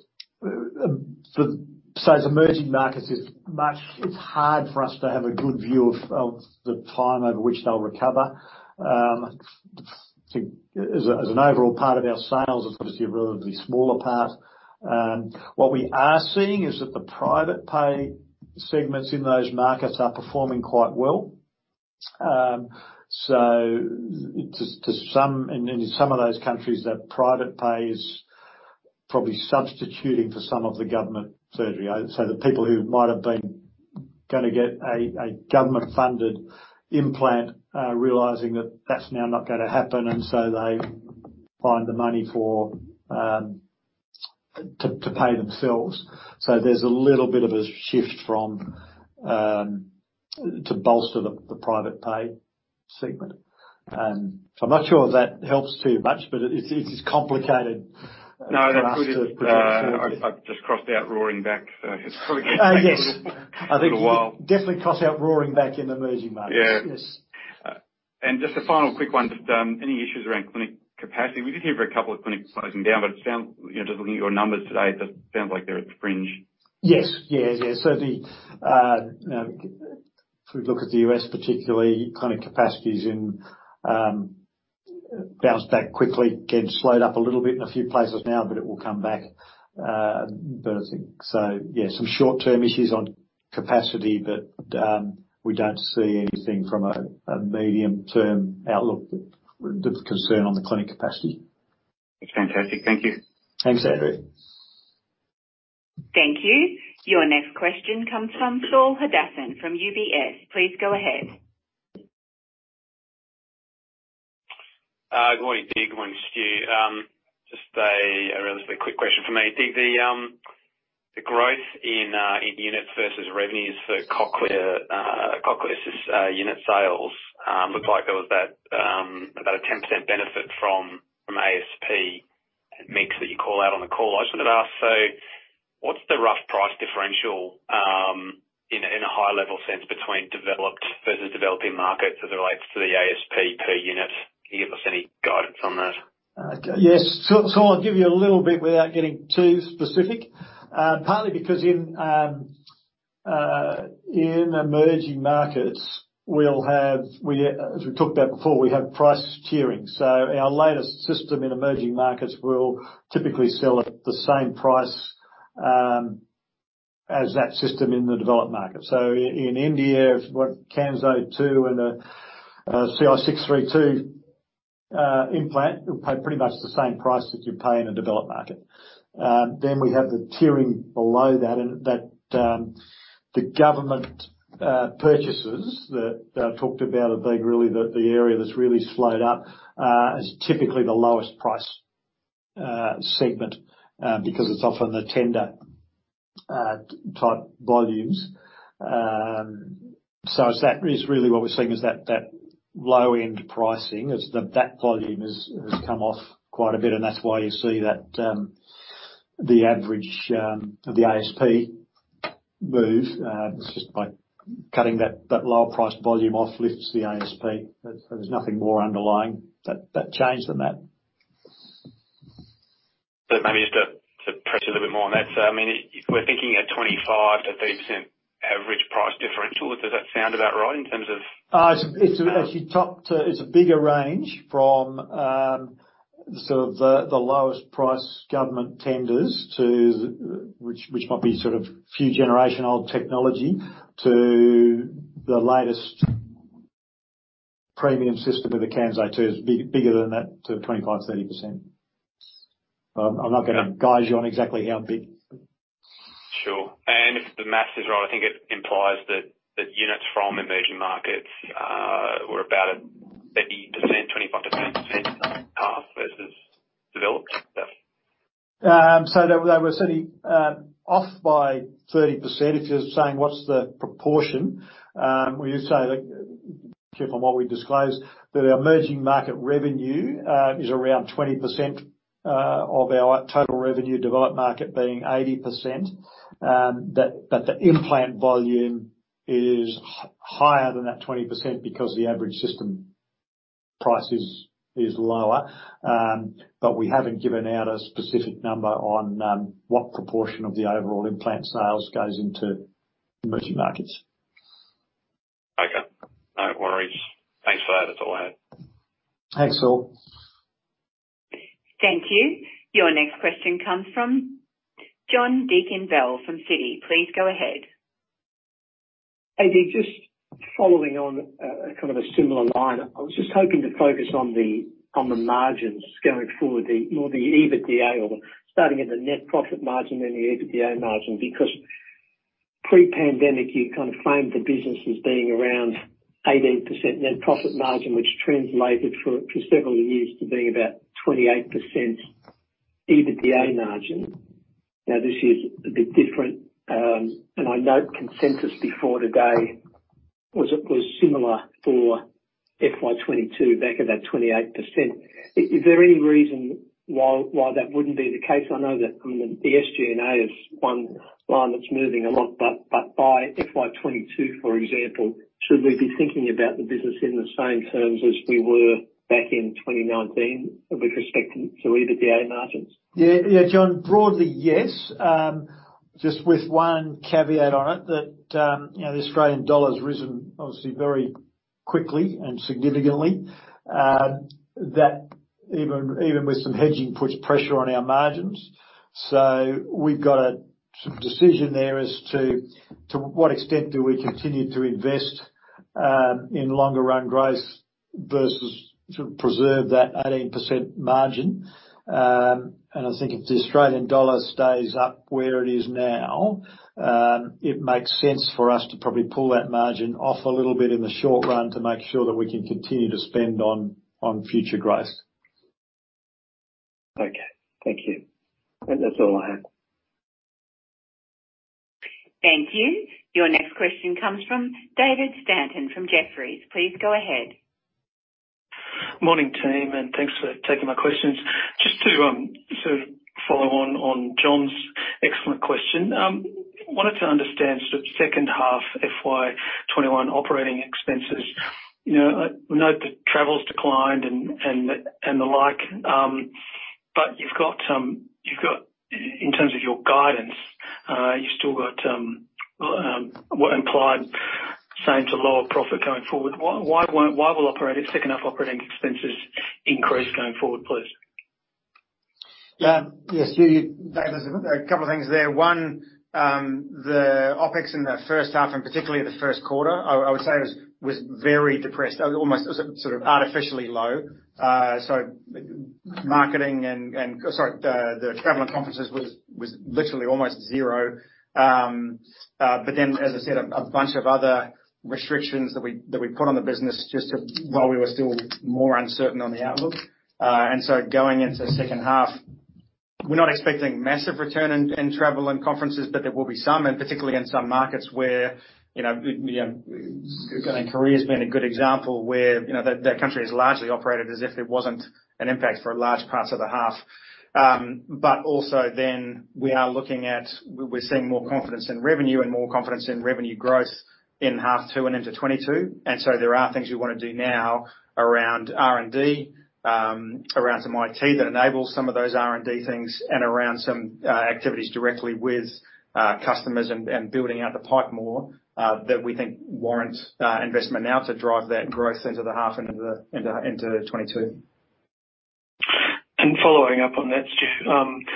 emerging markets is much, it's hard for us to have a good view of the time over which they'll recover. As an overall part of our sales, it's obviously a relatively smaller part. What we are seeing is that the private pay segments in those markets are performing quite well. To some, and in some of those countries that private pay is probably substituting for some of the government surgery. The people who might've been gonna get a government-funded implant, realizing that that's now not gonna happen, and so they find the money to pay themselves. There's a little bit of a shift to bolster the private pay segment. I'm not sure if that helps too much, but it is complicated. No, that's good. for us to project- I've just crossed out roaring back, so it's probably going to. Yes. a little while. I think you can definitely cross out roaring back in the emerging market. Yeah. Yes. Just a final quick one, just any issues around clinic capacity? We did hear of a couple of clinics closing down, but it sounds, just looking at your numbers today, it just sounds like they are a fringe. Yes. Certainly. If we look at the U.S. particularly, clinic capacity's bounced back quickly, again, slowed up a little bit in a few places now, but it will come back. I think so, yeah, some short-term issues on capacity, but, we don't see anything from a medium-term outlook with concern on the clinic capacity. That's fantastic. Thank you. Thanks, Andrew. Thank you. Your next question comes from Saul Hadassin from UBS. Please go ahead. Good morning, Dig. Good morning, Stu. Just a relatively quick question from me. I think the growth in units versus revenues for Cochlear unit sales, looked like there was about a 10% benefit from ASP mix that you call out on the call. I just wanted to ask, so what's the rough price differential, in a high level sense, between developed versus developing markets as it relates to the ASP per unit. Can you give us any guidance on that? Yes. Saul, I'll give you a little bit without getting too specific. Partly because in emerging markets, as we talked about before, we have price tiering. Our latest system in emerging markets will typically sell at the same price as that system in the developed market. In India, if you want Kanso 2 and a CI632 implant, you'll pay pretty much the same price that you pay in a developed market. We have the tiering below that, and the government purchases that I've talked about have been really the area that's really slowed up, is typically the lowest price segment, because it's often the tender type volumes. It's that is really what we're seeing is that low-end pricing, as that volume has come off quite a bit. That's why you see that the average, the ASP move, it's just by cutting that lower priced volume off lifts the ASP. There's nothing more underlying that change than that. Maybe just to press you a little bit more on that. We're thinking a 25%-30% average price differential. Does that sound about right in terms of- It's actually topped, it's a bigger range from sort of the lowest price government tenders, which might be sort of a few generational technology to the latest premium system with the Kanso 2 is bigger than that to 25%-30%. I'm not gonna guide you on exactly how big. Sure. If the math is right, I think it implies that units from emerging markets were about a 30%, 25% versus developed? Yeah. They were certainly off by 30%, if you're saying what's the proportion. When you say, given from what we disclosed, that our emerging market revenue is around 20% of our total revenue, developed market being 80%, but the implant volume is higher than that 20% because the average system price is lower. We haven't given out a specific number on what proportion of the overall implant sales goes into emerging markets. Okay. No worries. Thanks for that. That's all I had. Thanks, Saul. Thank you. Your next question comes from John Deakin-Bell from Citi. Please go ahead. Hey, Dig, just following on a similar line. I was just hoping to focus on the margins going forward, or the EBITDA, or starting at the net profit margin, then the EBITDA margin, because pre-pandemic, you framed the business as being around 18% net profit margin, which translated for several years to being about 28% EBITDA margin. I note consensus before today was similar for FY 2022, back at that 28%. Is there any reason why that wouldn't be the case? I know that the SG&A is one line that's moving a lot, but by FY 2022, for example, should we be thinking about the business in the same terms as we were back in 2019 with respect to EBITDA margins? Yeah, John. Broadly, yes. Just with one caveat on it that the Australian dollar's risen, obviously, very quickly and significantly. That even with some hedging, puts pressure on our margins. We've got a decision there as to what extent do we continue to invest in longer run growth versus preserve that 18% margin. I think if the Australian dollar stays up where it is now, it makes sense for us to probably pull that margin off a little bit in the short run to make sure that we can continue to spend on future growth. Okay. Thank you. That's all I have. Thank you. Your next question comes from David Stanton from Jefferies. Please go ahead. Morning, team. Thanks for taking my questions. Just to follow on John's excellent question. Wanted to understand second half FY 2021 operating expenses. I note that travel's declined and the like. You've got, in terms of your guidance, you've still got what implied same to lower profit going forward. Why will second half operating expenses increase going forward, please? Yes, David, there's a couple of things there. One, the OpEx in the first half and particularly the first quarter, I would say, was very depressed. Almost artificially low. Marketing and- oh sorry, the travel and conferences was literally almost zero. As I said, a bunch of other restrictions that we put on the business just while we were still more uncertain on the outlook. Going into second half, we're not expecting massive return in travel and conferences, but there will be some, and particularly in some markets where, Korea's been a good example where their country has largely operated as if there wasn't an impact for large parts of the half. Also then we are looking at, we're seeing more confidence in revenue and more confidence in revenue growth in half two and into 2022. There are things we want to do now around R&D, around some IT that enables some of those R&D things, and around some activities directly with customers and building out the pipe more, that we think warrants investment now to drive that growth into the half and into 2022. Following up on that, Stu.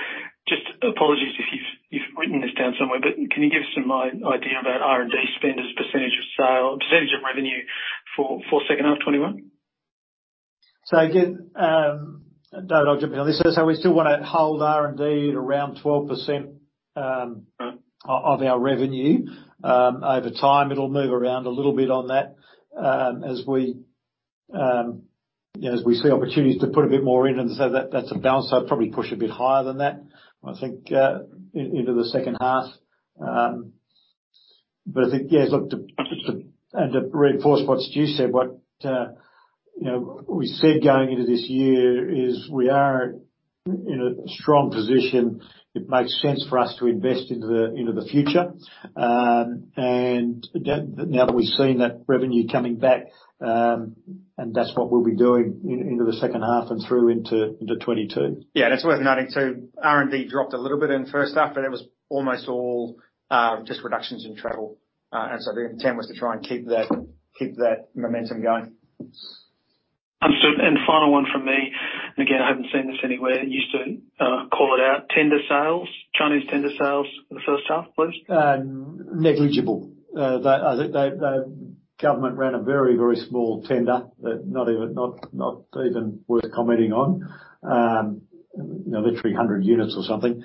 Just apologies if you've written this down somewhere, can you give us some idea about R&D spend as percentage of revenue for second half FY 2021? Again, David, I'll jump in on this. We still want to hold R&D at around 12% of our revenue. Over time, it'll move around a little bit on that as we see opportunities to put a bit more in. That's a balance. I'd probably push a bit higher than that, I think, into the second half. I think, yeah, look, and to reinforce what Stu said, what we said going into this year is we are in a strong position. It makes sense for us to invest into the future. Now that we've seen that revenue coming back, that's what we'll be doing into the second half and through into 2022. Yeah, it's worth noting, too, R&D dropped a little bit in the first half, but it was almost all just reductions in travel. The intent was to try and keep that momentum going. Understood. Final one from me. Again, I haven't seen this anywhere. You used to call it out. Tender sales, Chinese tender sales for the first half, please. Negligible. The government ran a very, very small tender that not even worth commenting on. Literally 100 units or something.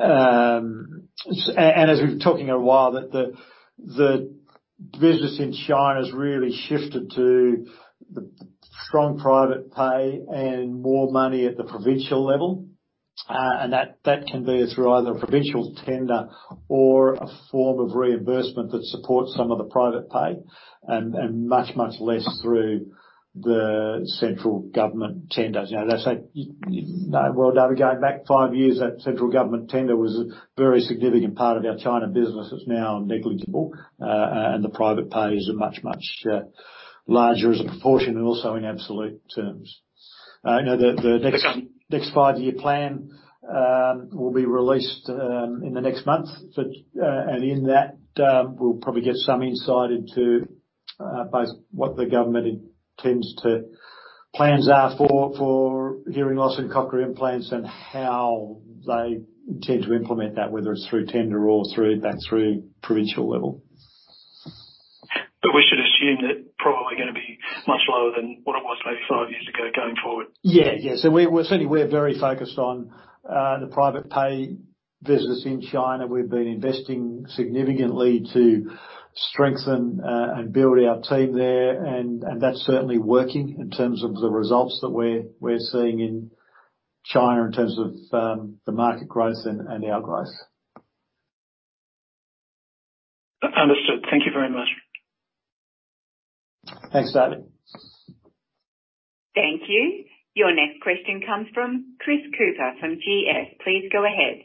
As we've been talking a while, the business in China has really shifted to the strong private pay and more money at the provincial level. That can be through either a provincial tender or a form of reimbursement that supports some of the private pay, and much, much less through the central government tenders. As I said, well, David, going back five years, that central government tender was a very significant part of our China business. It's now negligible. The private pay is much, much larger as a proportion and also in absolute terms. The next five-year plan will be released in the next months. In that, we'll probably get some insight into both what the government plans are for hearing loss and cochlear implants, and how they intend to implement that, whether it's through tender or through provincial level. We should assume that probably going to be much lower than what it was maybe five years ago, going forward? Yeah. Certainly, we're very focused on the private pay visitors in China. We've been investing significantly to strengthen and build our team there, and that's certainly working in terms of the results that we're seeing in China in terms of the market growth and our growth. Understood. Thank you very much. Thanks, David. Thank you. Your next question comes from Chris Cooper from GS. Please go ahead.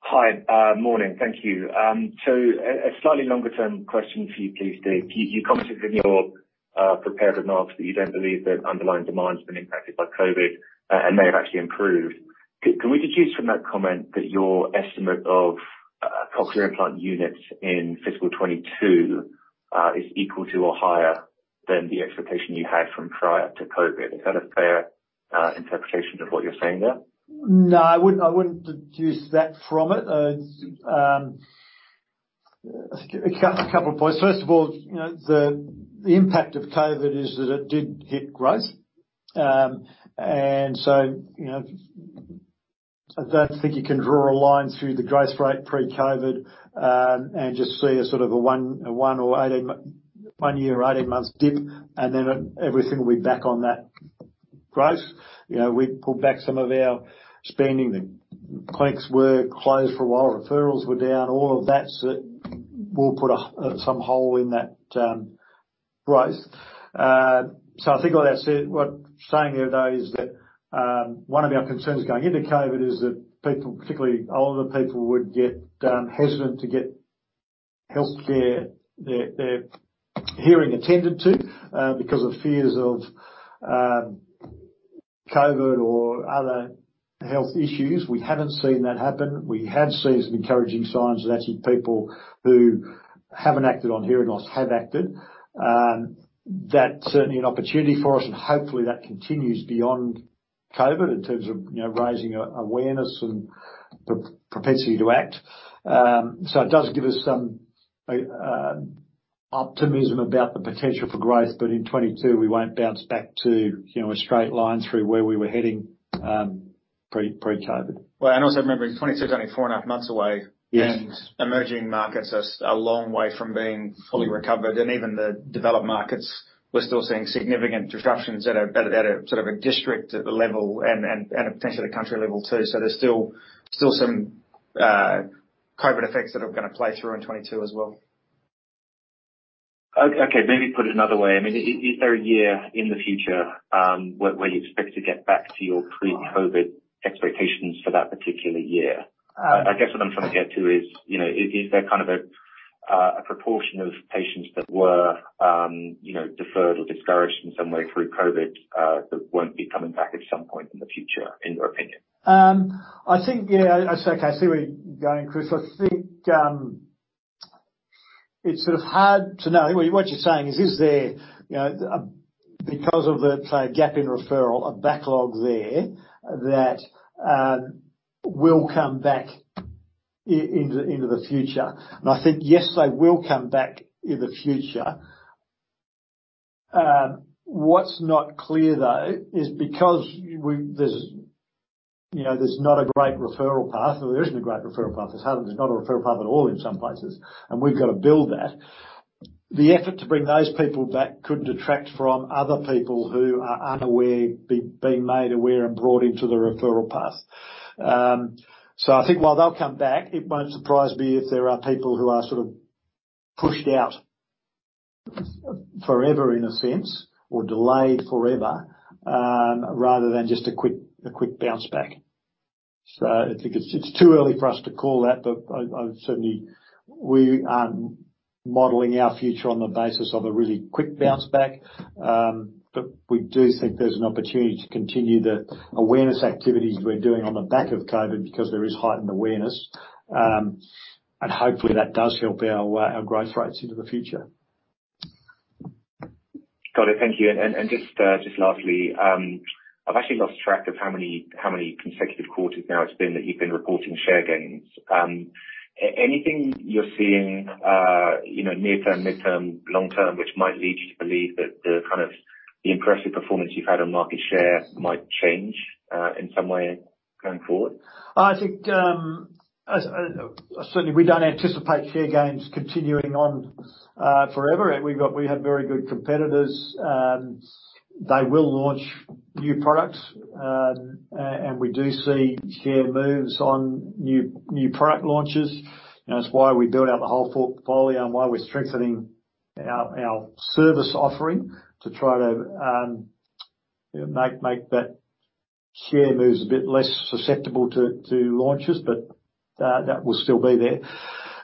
Hi. Morning. Thank you. A slightly longer-term question for you, please, Dig. You commented in your prepared remarks that you don't believe that underlying demand's been impacted by COVID, and may have actually improved. Can we deduce from that comment that your estimate of cochlear implant units in FY 2022 is equal to or higher than the expectation you had from prior to COVID? Is that a fair interpretation of what you're saying there? No, I wouldn't deduce that from it. A couple of points. First of all, the impact of COVID is that it did hit growth. I don't think you can draw a line through the growth rate pre-COVID, and just see a sort of a one year or 18 months dip, and then everything will be back on that growth. We pulled back some of our spending. The clinics were closed for a while. Referrals were down. All of that will put some hole in that growth. I think all that said, what I'm saying there, though, is that, one of our concerns going into COVID is that people, particularly older people, would get hesitant to get healthcare, their hearing attended to because of fears of COVID or other health issues. We haven't seen that happen. We have seen some encouraging signs that actually people who haven't acted on hearing loss have acted. That's certainly an opportunity for us and hopefully that continues beyond COVID in terms of raising awareness and propensity to act. It does give us some optimism about the potential for growth, but in 2022, we won't bounce back to a straight line through where we were heading pre-COVID. Well, also remembering 2022 is only four and a half months away. Yes. Emerging markets are a long way from being fully recovered, and even the developed markets, we're still seeing significant disruptions at a district level and potentially the country level too. There's still some COVID effects that are gonna play through in 2022 as well. Okay, maybe put it another way. Is there a year in the future, where you expect to get back to your pre-COVID expectations for that particular year? I guess what I'm trying to get to is there a proportion of patients that were deferred or discouraged in some way through COVID, that won't be coming back at some point in the future, in your opinion? I see where you're going, Chris. I think it's sort of hard to know. What you're saying is there, because of the, say, a gap in referral, a backlog there that will come back into the future. I think yes, they will come back in the future. What's not clear, though, is because there's not a great referral path, or there isn't a great referral path. There's hardly there's not a referral path at all in some places, and we've got to build that. The effort to bring those people back could detract from other people who are unaware, being made aware and brought into the referral path. I think while they'll come back, it won't surprise me if there are people who are sort of pushed out forever in a sense, or delayed forever, rather than just a quick bounce back. I think it's too early for us to call that. We aren't modeling our future on the basis of a really quick bounce back. We do think there's an opportunity to continue the awareness activities we're doing on the back of COVID because there is heightened awareness. Hopefully, that does help our growth rates into the future. Got it. Thank you. Just lastly, I've actually lost track of how many consecutive quarters now it's been that you've been reporting share gains. Anything you're seeing near-term, mid-term, long-term, which might lead you to believe that the impressive performance you've had on market share might change in some way going forward? I think, certainly, we don't anticipate share gains continuing on forever. We have very good competitors. They will launch new products, and we do see share moves on new product launches. That's why we're building out the whole portfolio and why we're strengthening our service offering to try to make that share moves a bit less susceptible to launches, but that will still be there.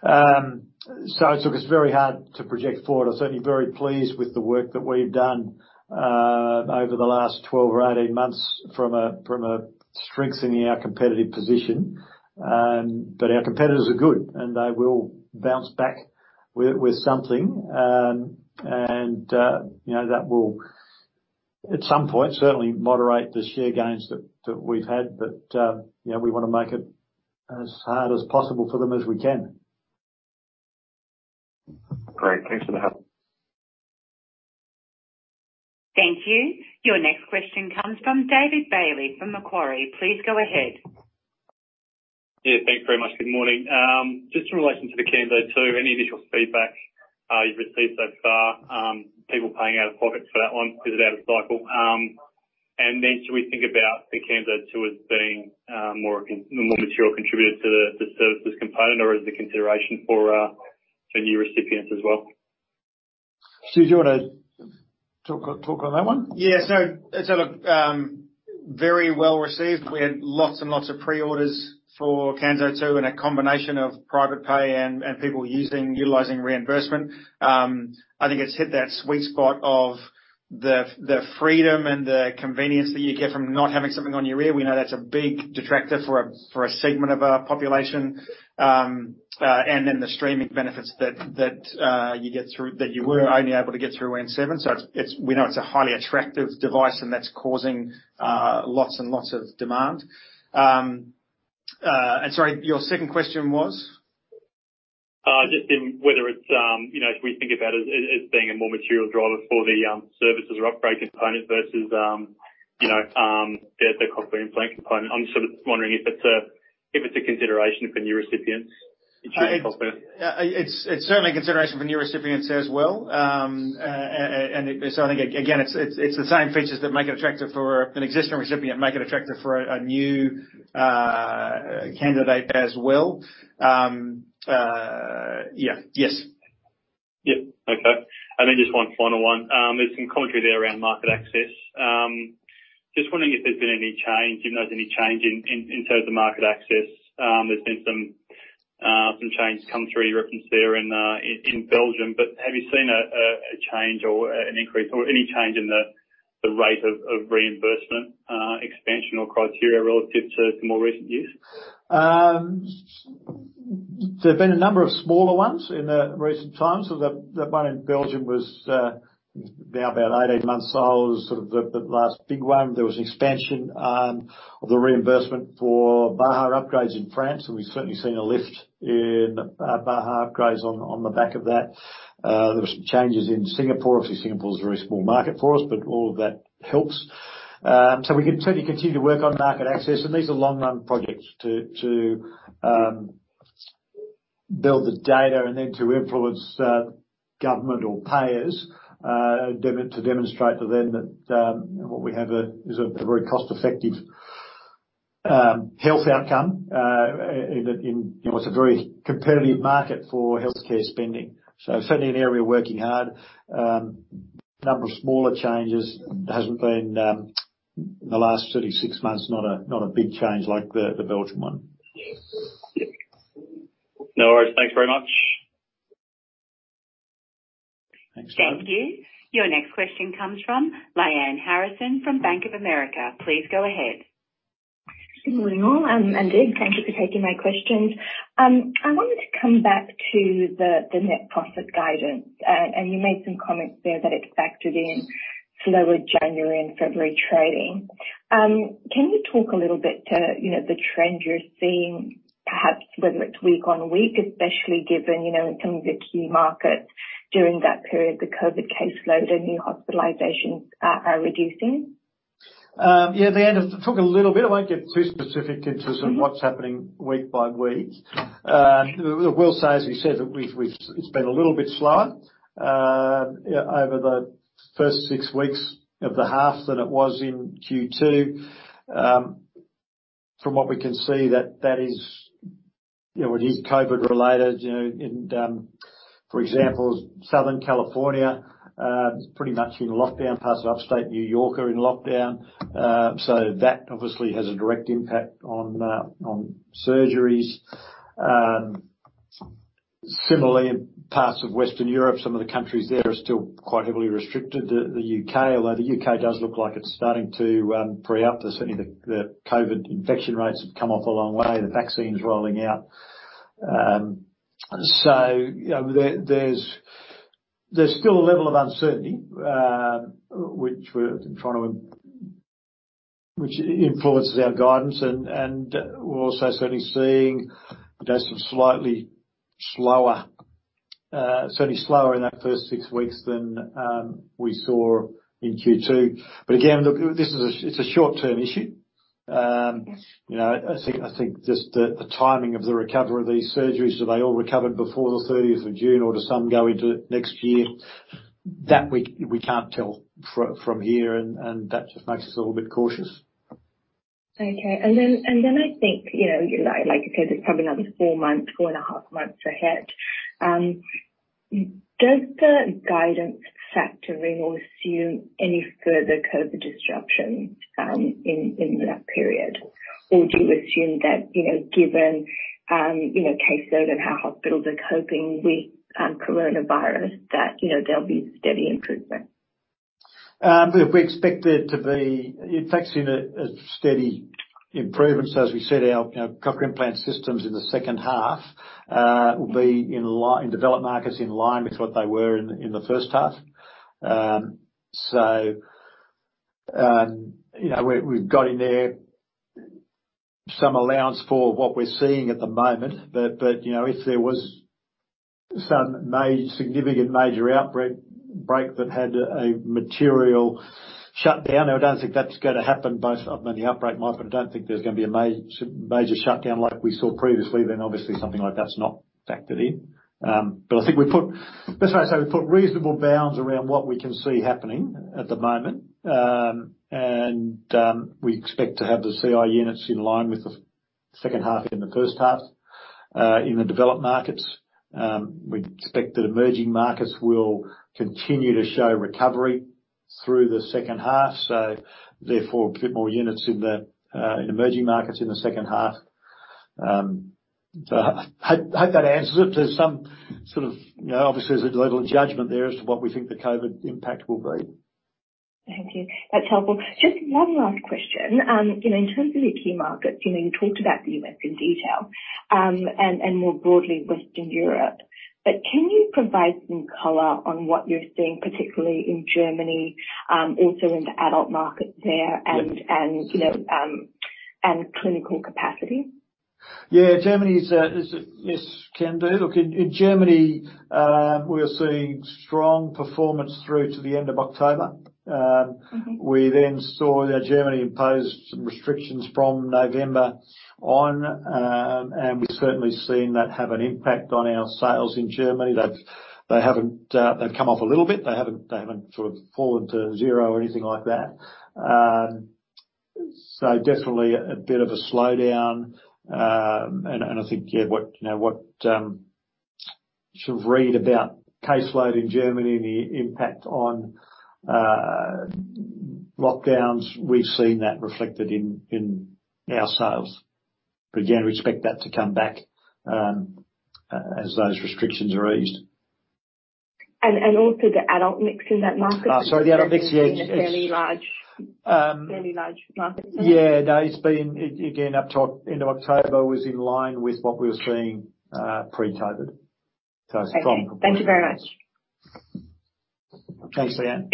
Look, it's very hard to project forward. I'm certainly very pleased with the work that we've done over the last 12 or 18 months from strengthening our competitive position. Our competitors are good, and they will bounce back with something. That will, at some point, certainly moderate the share gains that we've had. We want to make it as hard as possible for them as we can. Great. Thanks for the help. Thank you. Your next question comes from David Bailey from Macquarie. Please go ahead. Yeah, thanks very much. Good morning. Just in relation to the Kanso 2, any initial feedback you've received so far, people paying out of pocket for that one? Is it out of cycle? Then should we think about the Kanso 2 as being a more material contributor to the services component or is the consideration for new recipients as well? Stu, do you want to talk on that one? Yeah. It's been very well received. We had lots and lots of pre-orders for Kanso 2, and a combination of private pay and people utilizing reimbursement. I think it's hit that sweet spot of the freedom and the convenience that you get from not having something on your ear. We know that's a big detractor for a segment of our population. Then the streaming benefits that you were only able to get through Nucleus 7. We know it's a highly attractive device and that's causing lots and lots of demand. Sorry, your second question was? Just in whether if we think about it as being a more material driver for the services or upgrade component versus the cochlear implant component, I am sort of wondering if it is a consideration for new recipients. It's certainly a consideration for new recipients as well. I think, again, it's the same features that make it attractive for an existing recipient, make it attractive for a new candidate as well. Yeah. Yes. Yep. Okay. Then just one final one. There's some commentary there around market access. Just wondering if there's been any change, if there's any change in terms of market access. There's been some change come through reference there in Belgium, but have you seen a change or an increase or any change in the rate of reimbursement, expansion or criteria relative to more recent years? There have been a number of smaller ones in the recent times. That one in Belgium was now about 18 months old, sort of the last big one. There was expansion of the reimbursement for Baha upgrades in France, and we've certainly seen a lift in Baha upgrades on the back of that. There were some changes in Singapore. Obviously, Singapore is a very small market for us, but all of that helps. We certainly continue to work on market access, and these are long-run projects to build the data and then to influence government or payers to demonstrate to them that what we have is a very cost-effective health outcome in what's a very competitive market for healthcare spending. Certainly an area we're working hard. A number of smaller changes. It hasn't been, in the last 36 months, not a big change like the Belgium one. Yeah. No worries. Thanks very much. Thanks, David. Thank you. Your next question comes from Lyanne Harrison from Bank of America. Please go ahead. Good morning, all. And Dig, thank you for taking my questions. I wanted to come back to the net profit guidance. You made some comments there that it's factored in slower January and February trading. Can you talk a little bit to the trend you're seeing, perhaps whether it's week on week, especially given some of the key markets during that period, the COVID caseload and new hospitalizations are reducing? Yeah, Lyanne. I'll talk a little bit. I won't get too specific in terms of what's happening week by week. I will say, as we said, that it's been a little bit slower over the first six weeks of the half than it was in Q2. From what we can see, that is COVID-related. For example, Southern California is pretty much in lockdown. Parts of Upstate New York are in lockdown. That obviously has a direct impact on surgeries. Similarly, in parts of Western Europe, some of the countries there are still quite heavily restricted. The U.K., although the U.K. does look like it's starting to free up. Certainly, the COVID infection rates have come off a long way. The vaccine's rolling out. There's still a level of uncertainty, which influences our guidance. We're also certainly seeing some slightly slower, certainly slower in that first six weeks than we saw in Q2. Again, look, it's a short-term issue. Yes. I think just the timing of the recovery of these surgeries. Are they all recovered before the 30th of June or do some go into next year? That we can't tell from here, and that just makes us a little bit cautious. Okay. I think, like I said, it's probably another four months, four and a half months ahead. Does the guidance factor in or assume any further COVID disruption in that period? Do you assume that, given caseload and how hospitals are coping with coronavirus, that there'll be steady improvement? We expect there to be, in fact, seeing a steady improvement. As we said, our Cochlear implant systems in the second half will be, in developed markets, in line with what they were in the first half. We've got in there some allowance for what we're seeing at the moment, but if there was some significant major outbreak that had a material shutdown, I don't think that's going to happen. Most of them in the outbreak might, but I don't think there's going to be a major shutdown like we saw previously, then obviously something like that's not factored in. I think we've put reasonable bounds around what we can see happening at the moment. We expect to have the CI units in line with the second half in the first half in the developed markets. We'd expect that emerging markets will continue to show recovery through the second half, so therefore, a bit more units in emerging markets in the second half. I hope that answers it. Obviously, there's a level of judgment there as to what we think the COVID impact will be. Thank you. That's helpful. Just one last question. In terms of your key markets, you talked about the U.S. in detail, and more broadly, Western Europe. Can you provide some color on what you're seeing, particularly in Germany, also in the adult market there, and clinical capacity? Yeah. Germany is a- Yes, can do. Look, in Germany, we are seeing strong performance through to the end of October. We then saw that Germany imposed some restrictions from November on, we've certainly seen that have an impact on our sales in Germany. They've come off a little bit. They haven't sort of fallen to zero or anything like that. Definitely a bit of a slowdown. I think what you read about caseload in Germany and the impact on lockdowns, we've seen that reflected in our sales. Again, we expect that to come back, as those restrictions are eased. Also the adult mix in that market. Oh, sorry, the adult mix, yeah. It's a fairly large market. Yeah. No, it's been, again, up to end of October was in line with what we were seeing pre-COVID. Strong performance. Thank you very much. Thanks, Lyanne.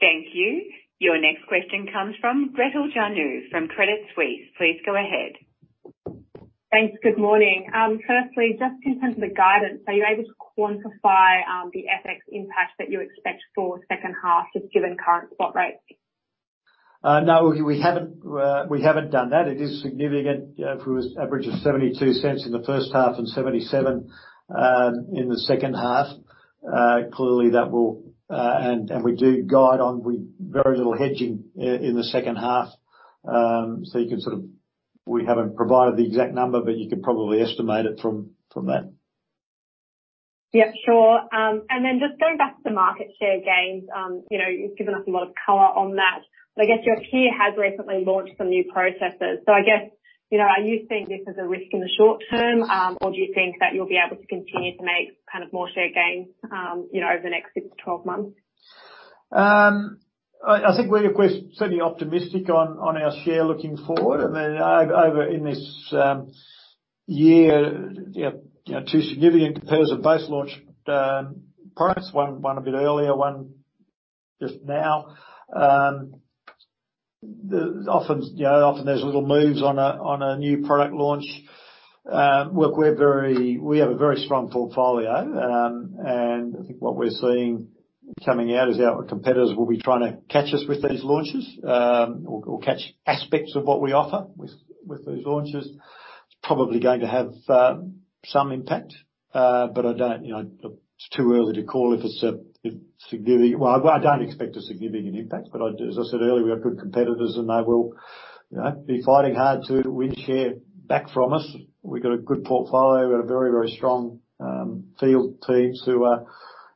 Thank you. Your next question comes from Gretel Janu from Credit Suisse. Please go ahead. Thanks. Good morning. Firstly, just in terms of the guidance, are you able to quantify the FX impact that you expect for second half, just given current spot rates? No, we haven't done that. It is significant. It was average of 0.72 in the first half and 0.77 in the second half. We do guide on with very little hedging in the second half. You can sort of, we haven't provided the exact number, but you could probably estimate it from that. Yeah, sure. Just going back to the market share gains. You've given us a lot of color on that, but I guess your peer has recently launched some new processors. I guess, are you seeing this as a risk in the short term? Do you think that you'll be able to continue to make more share gains over the next 6 to 12 months? I think we're certainly optimistic on our share looking forward. Over in this year, two significant competitors have both launched products, one a bit earlier, one just now. Often there's little moves on a new product launch. We have a very strong portfolio, and I think what we're seeing coming out is our competitors will be trying to catch us with these launches, or catch aspects of what we offer with those launches. It's probably going to have some impact, but it's too early to call if it's significant. I don't expect a significant impact, but as I said earlier, we've got good competitors, and they will be fighting hard to win share back from us. We've got a good portfolio. We've got a very strong field teams who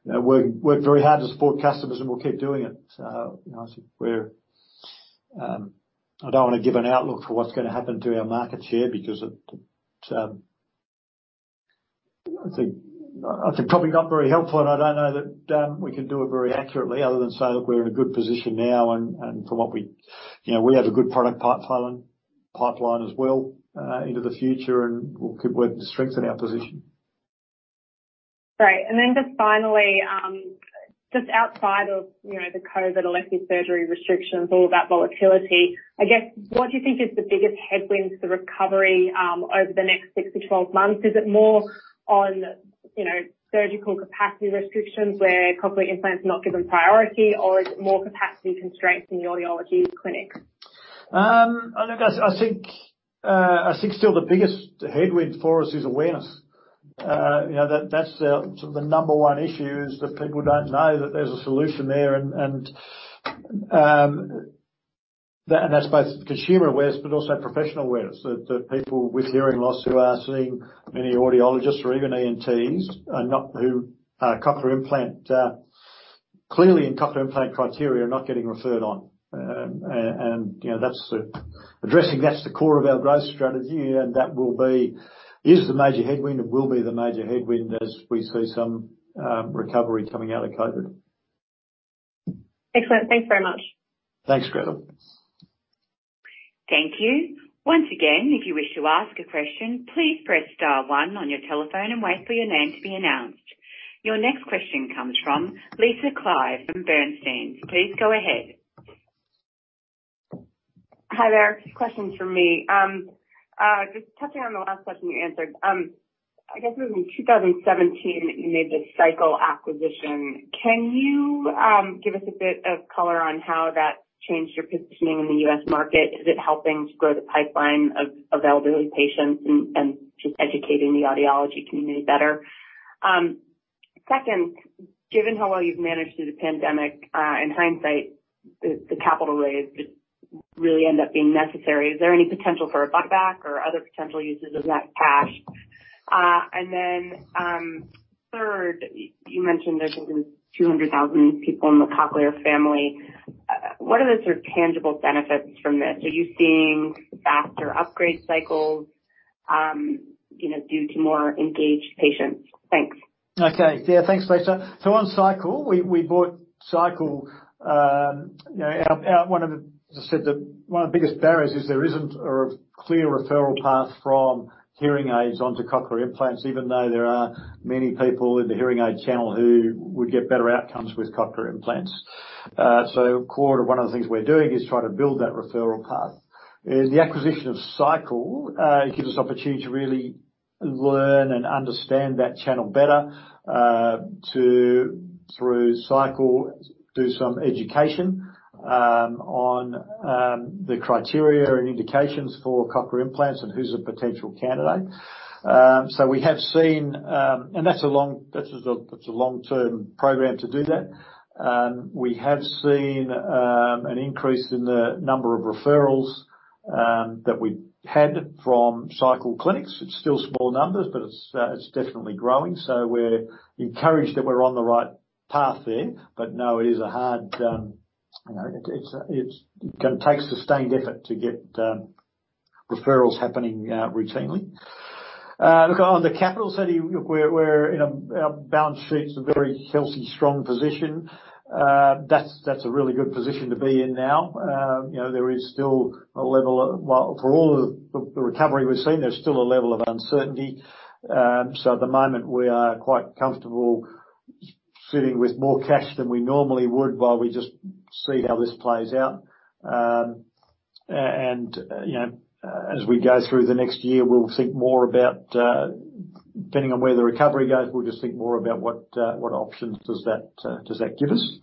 work very hard to support customers and will keep doing it. I think I don't want to give an outlook for what's going to happen to our market share because it's probably not very helpful, and I don't know that we can do it very accurately other than say, look, we're in a good position now, and we have a good product pipeline as well into the future, and we'll keep working to strengthen our position. Great. Just finally, just outside of the COVID elective surgery restrictions, all of that volatility. I guess, what do you think is the biggest headwind to recovery over the next 6 to 12 months? Is it more on surgical capacity restrictions where Cochlear implant is not given priority, or is it more capacity constraints in the audiology clinics? I think still the biggest headwind for us is awareness. That's the number one issue, is that people don't know that there's a solution there, and that's both consumer awareness, but also professional awareness. That people with hearing loss who are seeing many audiologists or even ENTs are not who, Cochlear implant, clearly in Cochlear implant criteria, are not getting referred on. Addressing that's the core of our growth strategy, that is the major headwind and will be the major headwind as we see some recovery coming out of COVID. Excellent. Thanks very much. Thanks, Gretel. Thank you. Once again, if you wish to ask a question, please press star one on your telephone and wait for your name to be announced. Your next question comes from Lisa Clive from Bernstein. Please go ahead. Hi there. A few questions from me. Just touching on the last question you answered. I guess it was in 2017 that you made the Sycle acquisition. Can you give us a bit of color on how that changed your positioning in the U.S. market? Is it helping to grow the pipeline of elderly patients and just educating the audiology community better? Second, given how well you've managed through the pandemic, in hindsight, the capital raise did really end up being necessary. Is there any potential for a buyback or other potential uses of that cash? Third, you mentioned there's over 200,000 people in the Cochlear Family. What are the sort of tangible benefits from this? Are you seeing faster upgrade cycles, due to more engaged patients? Thanks. Okay. Yeah, thanks, Lisa. On Sycle, we bought Sycle, as I said, one of the biggest barriers is there isn't a clear referral path from hearing aids onto cochlear implants, even though there are many people in the hearing aid channel who would get better outcomes with cochlear implants. Core to one of the things we're doing is try to build that referral path. The acquisition of Sycle, it gives us opportunity to really learn and understand that channel better. Through Sycle, do some education on the criteria and indications for cochlear implants and who's a potential candidate. That's a long-term program to do that. We have seen an increase in the number of referrals that we've had from Sycle clinics. It's still small numbers, but it's definitely growing. We're encouraged that we're on the right path there. No, it takes sustained effort to get referrals happening routinely. Look, on the capital side, our balance sheet's a very healthy, strong position. That's a really good position to be in now. For all of the recovery we've seen, there's still a level of uncertainty. At the moment, we are quite comfortable sitting with more cash than we normally would while we just see how this plays out. As we go through the next year, depending on where the recovery goes, we'll just think more about what options does that give us.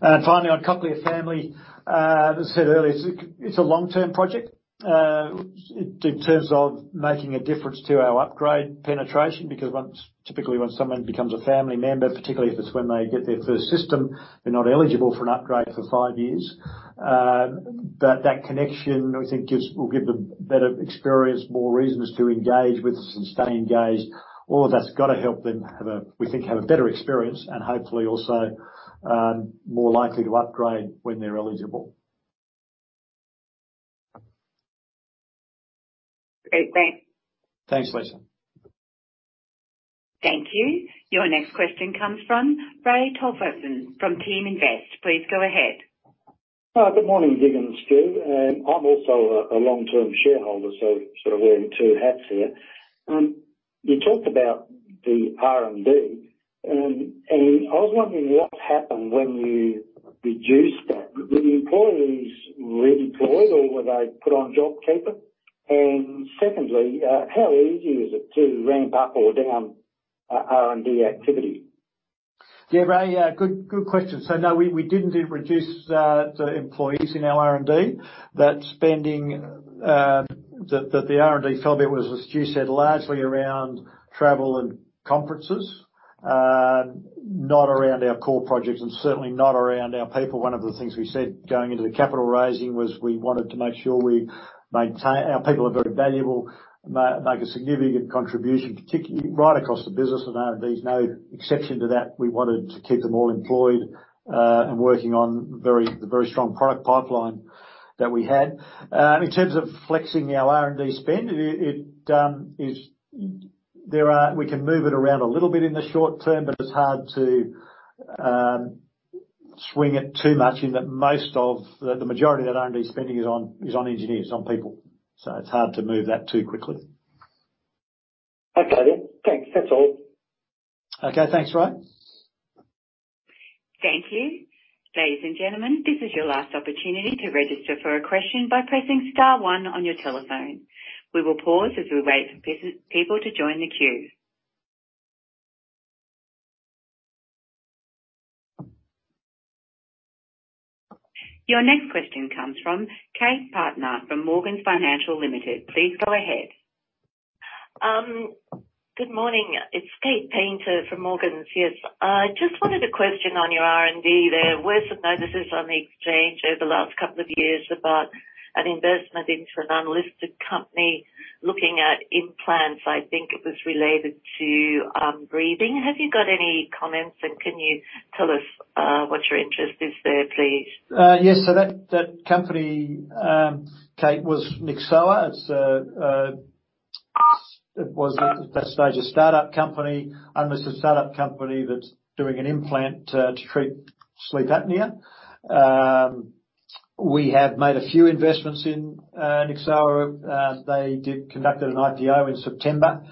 Finally, on Cochlear Family, as I said earlier, it's a long-term project in terms of making a difference to our upgrade penetration, because typically, when someone becomes a family member, particularly if it's when they get their first system, they're not eligible for an upgrade for five years. That connection, we think will give them better experience, more reasons to engage with us and stay engaged. All of that's got to help them, we think, have a better experience and hopefully also more likely to upgrade when they're eligible. Great. Thanks. Thanks, Lisa. Thank you. Your next question comes from [Ray Tofersson] from Teaminvest. Please go ahead. Hi. Good morning, Dig and Stu. I'm also a long-term shareholder, sort of wearing two hats here. You talked about the R&D, I was wondering what happened when you reduced that. Were the employees redeployed or were they put on JobKeeper? Secondly, how easy is it to ramp up or down R&D activity? Yeah, Ray, good question. No, we didn't reduce the employees in our R&D. That spending, the R&D fell bit was, as Stu said, largely around travel and conferences, not around our core projects and certainly not around our people. One of the things we said going into the capital raising was we wanted to make sure we maintain. Our people are very valuable, make a significant contribution, particularly right across the business, and R&D is no exception to that. We wanted to keep them all employed, and working on the very strong product pipeline that we had. In terms of flexing our R&D spend, we can move it around a little bit in the short term, but it's hard to swing it too much in that the majority of that R&D spending is on engineers, on people. It's hard to move that too quickly. Okay then. Thanks. That's all. Okay. Thanks, Ray. Thank you. Your next question comes from Kate Paynter from Morgans Financial Limited. Please go ahead. Good morning. It's Kate Paynter from Morgans. Yes. Just wanted a question on your R&D there. Were some notices on the exchange over the last couple of years about an investment into an unlisted company looking at implants. I think it was related to sleep apnea. Have you got any comments, and can you tell us what your interest is there, please? Yes. That company, Kate, was Nyxoah. It was at that stage, a startup company. It's a startup company that's doing an implant to treat sleep apnea. We have made a few investments in Nyxoah. They conducted an IPO in September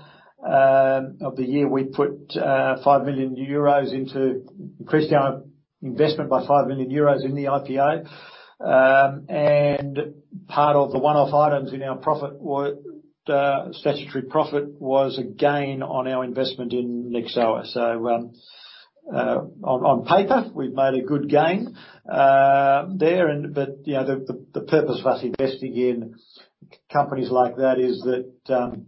of the year. We increased our investment by 5 million in the IPO. Part of the one-off items in our statutory profit was a gain on our investment in Nyxoah. On paper, we've made a good gain there. The purpose of us investing in companies like that is that,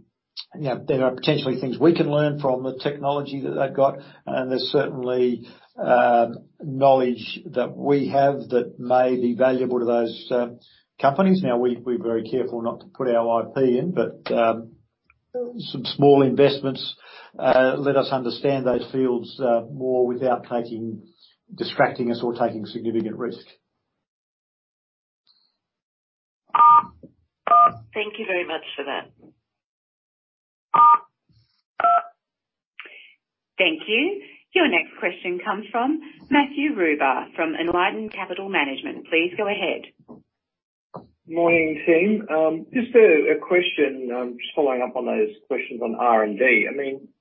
there are potentially things we can learn from the technology that they've got, and there's certainly knowledge that we have that may be valuable to those companies. Now, we're very careful not to put our IP in, but some small investments let us understand those fields more without distracting us or taking significant risk. Thank you very much for that. Thank you. Your next question comes from [Matthew Rubba] from Enlighten Capital Management. Please go ahead. Morning, team. Just a question, just following up on those questions on R&D.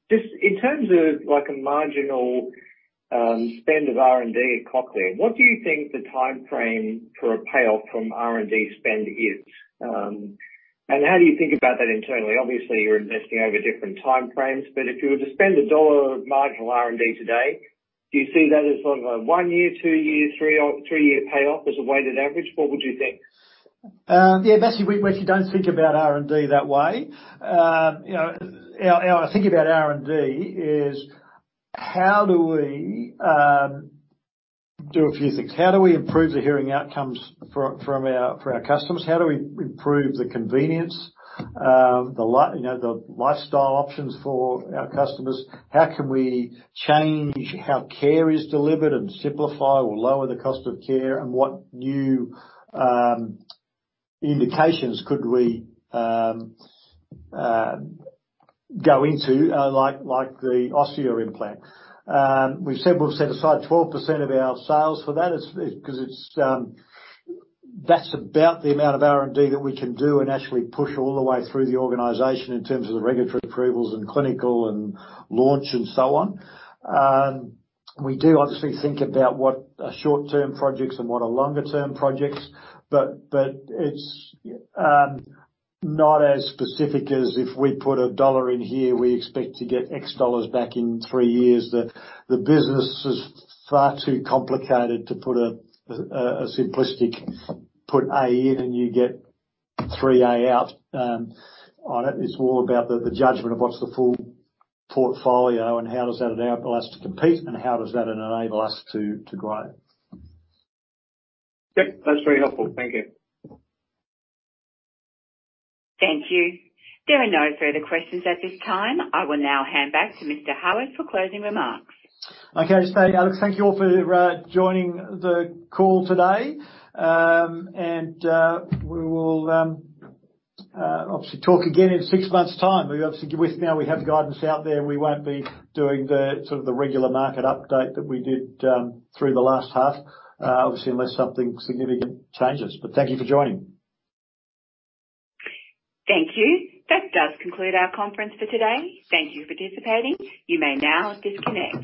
In terms of a marginal spend of R&D at Cochlear, what do you think the timeframe for a payoff from R&D spend is? How do you think about that internally? Obviously, you're investing over different timeframes, if you were to spend AUD 1 of marginal R&D today, do you see that as sort of a one-year, two-year, three-year payoff as a weighted average? What would you think? Yeah, Matthew, we actually don't think about R&D that way. Our thinking about R&D is how do we do a few things? How do we improve the hearing outcomes for our customers? How do we improve the convenience, the lifestyle options for our customers? How can we change how care is delivered and simplify or lower the cost of care? What new indications could we go into, like the Osia implant? We've said we'll set aside 12% of our sales for that because that's about the amount of R&D that we can do and actually push all the way through the organization in terms of the regulatory approvals and clinical and launch and so on. We do obviously think about what are short-term projects and what are longer-term projects, but it's not as specific as if we put a dollar in here, we expect to get x dollars back in three years. The business is far too complicated to put a simplistic put A in and you get three A out on it. It's more about the judgment of what's the full portfolio, and how does that enable us to compete, and how does that enable us to grow. Yep, that's very helpful. Thank you. Thank you. There are no further questions at this time. I will now hand back to Mr. Howitt for closing remarks. Okay. Thank you all for joining the call today. We will obviously talk again in six months' time. Obviously, now we have guidance out there, we won't be doing the regular market update that we did through the last half, obviously, unless something significant changes. Thank you for joining. Thank you. That does conclude our conference for today. Thank you for participating. You may now disconnect.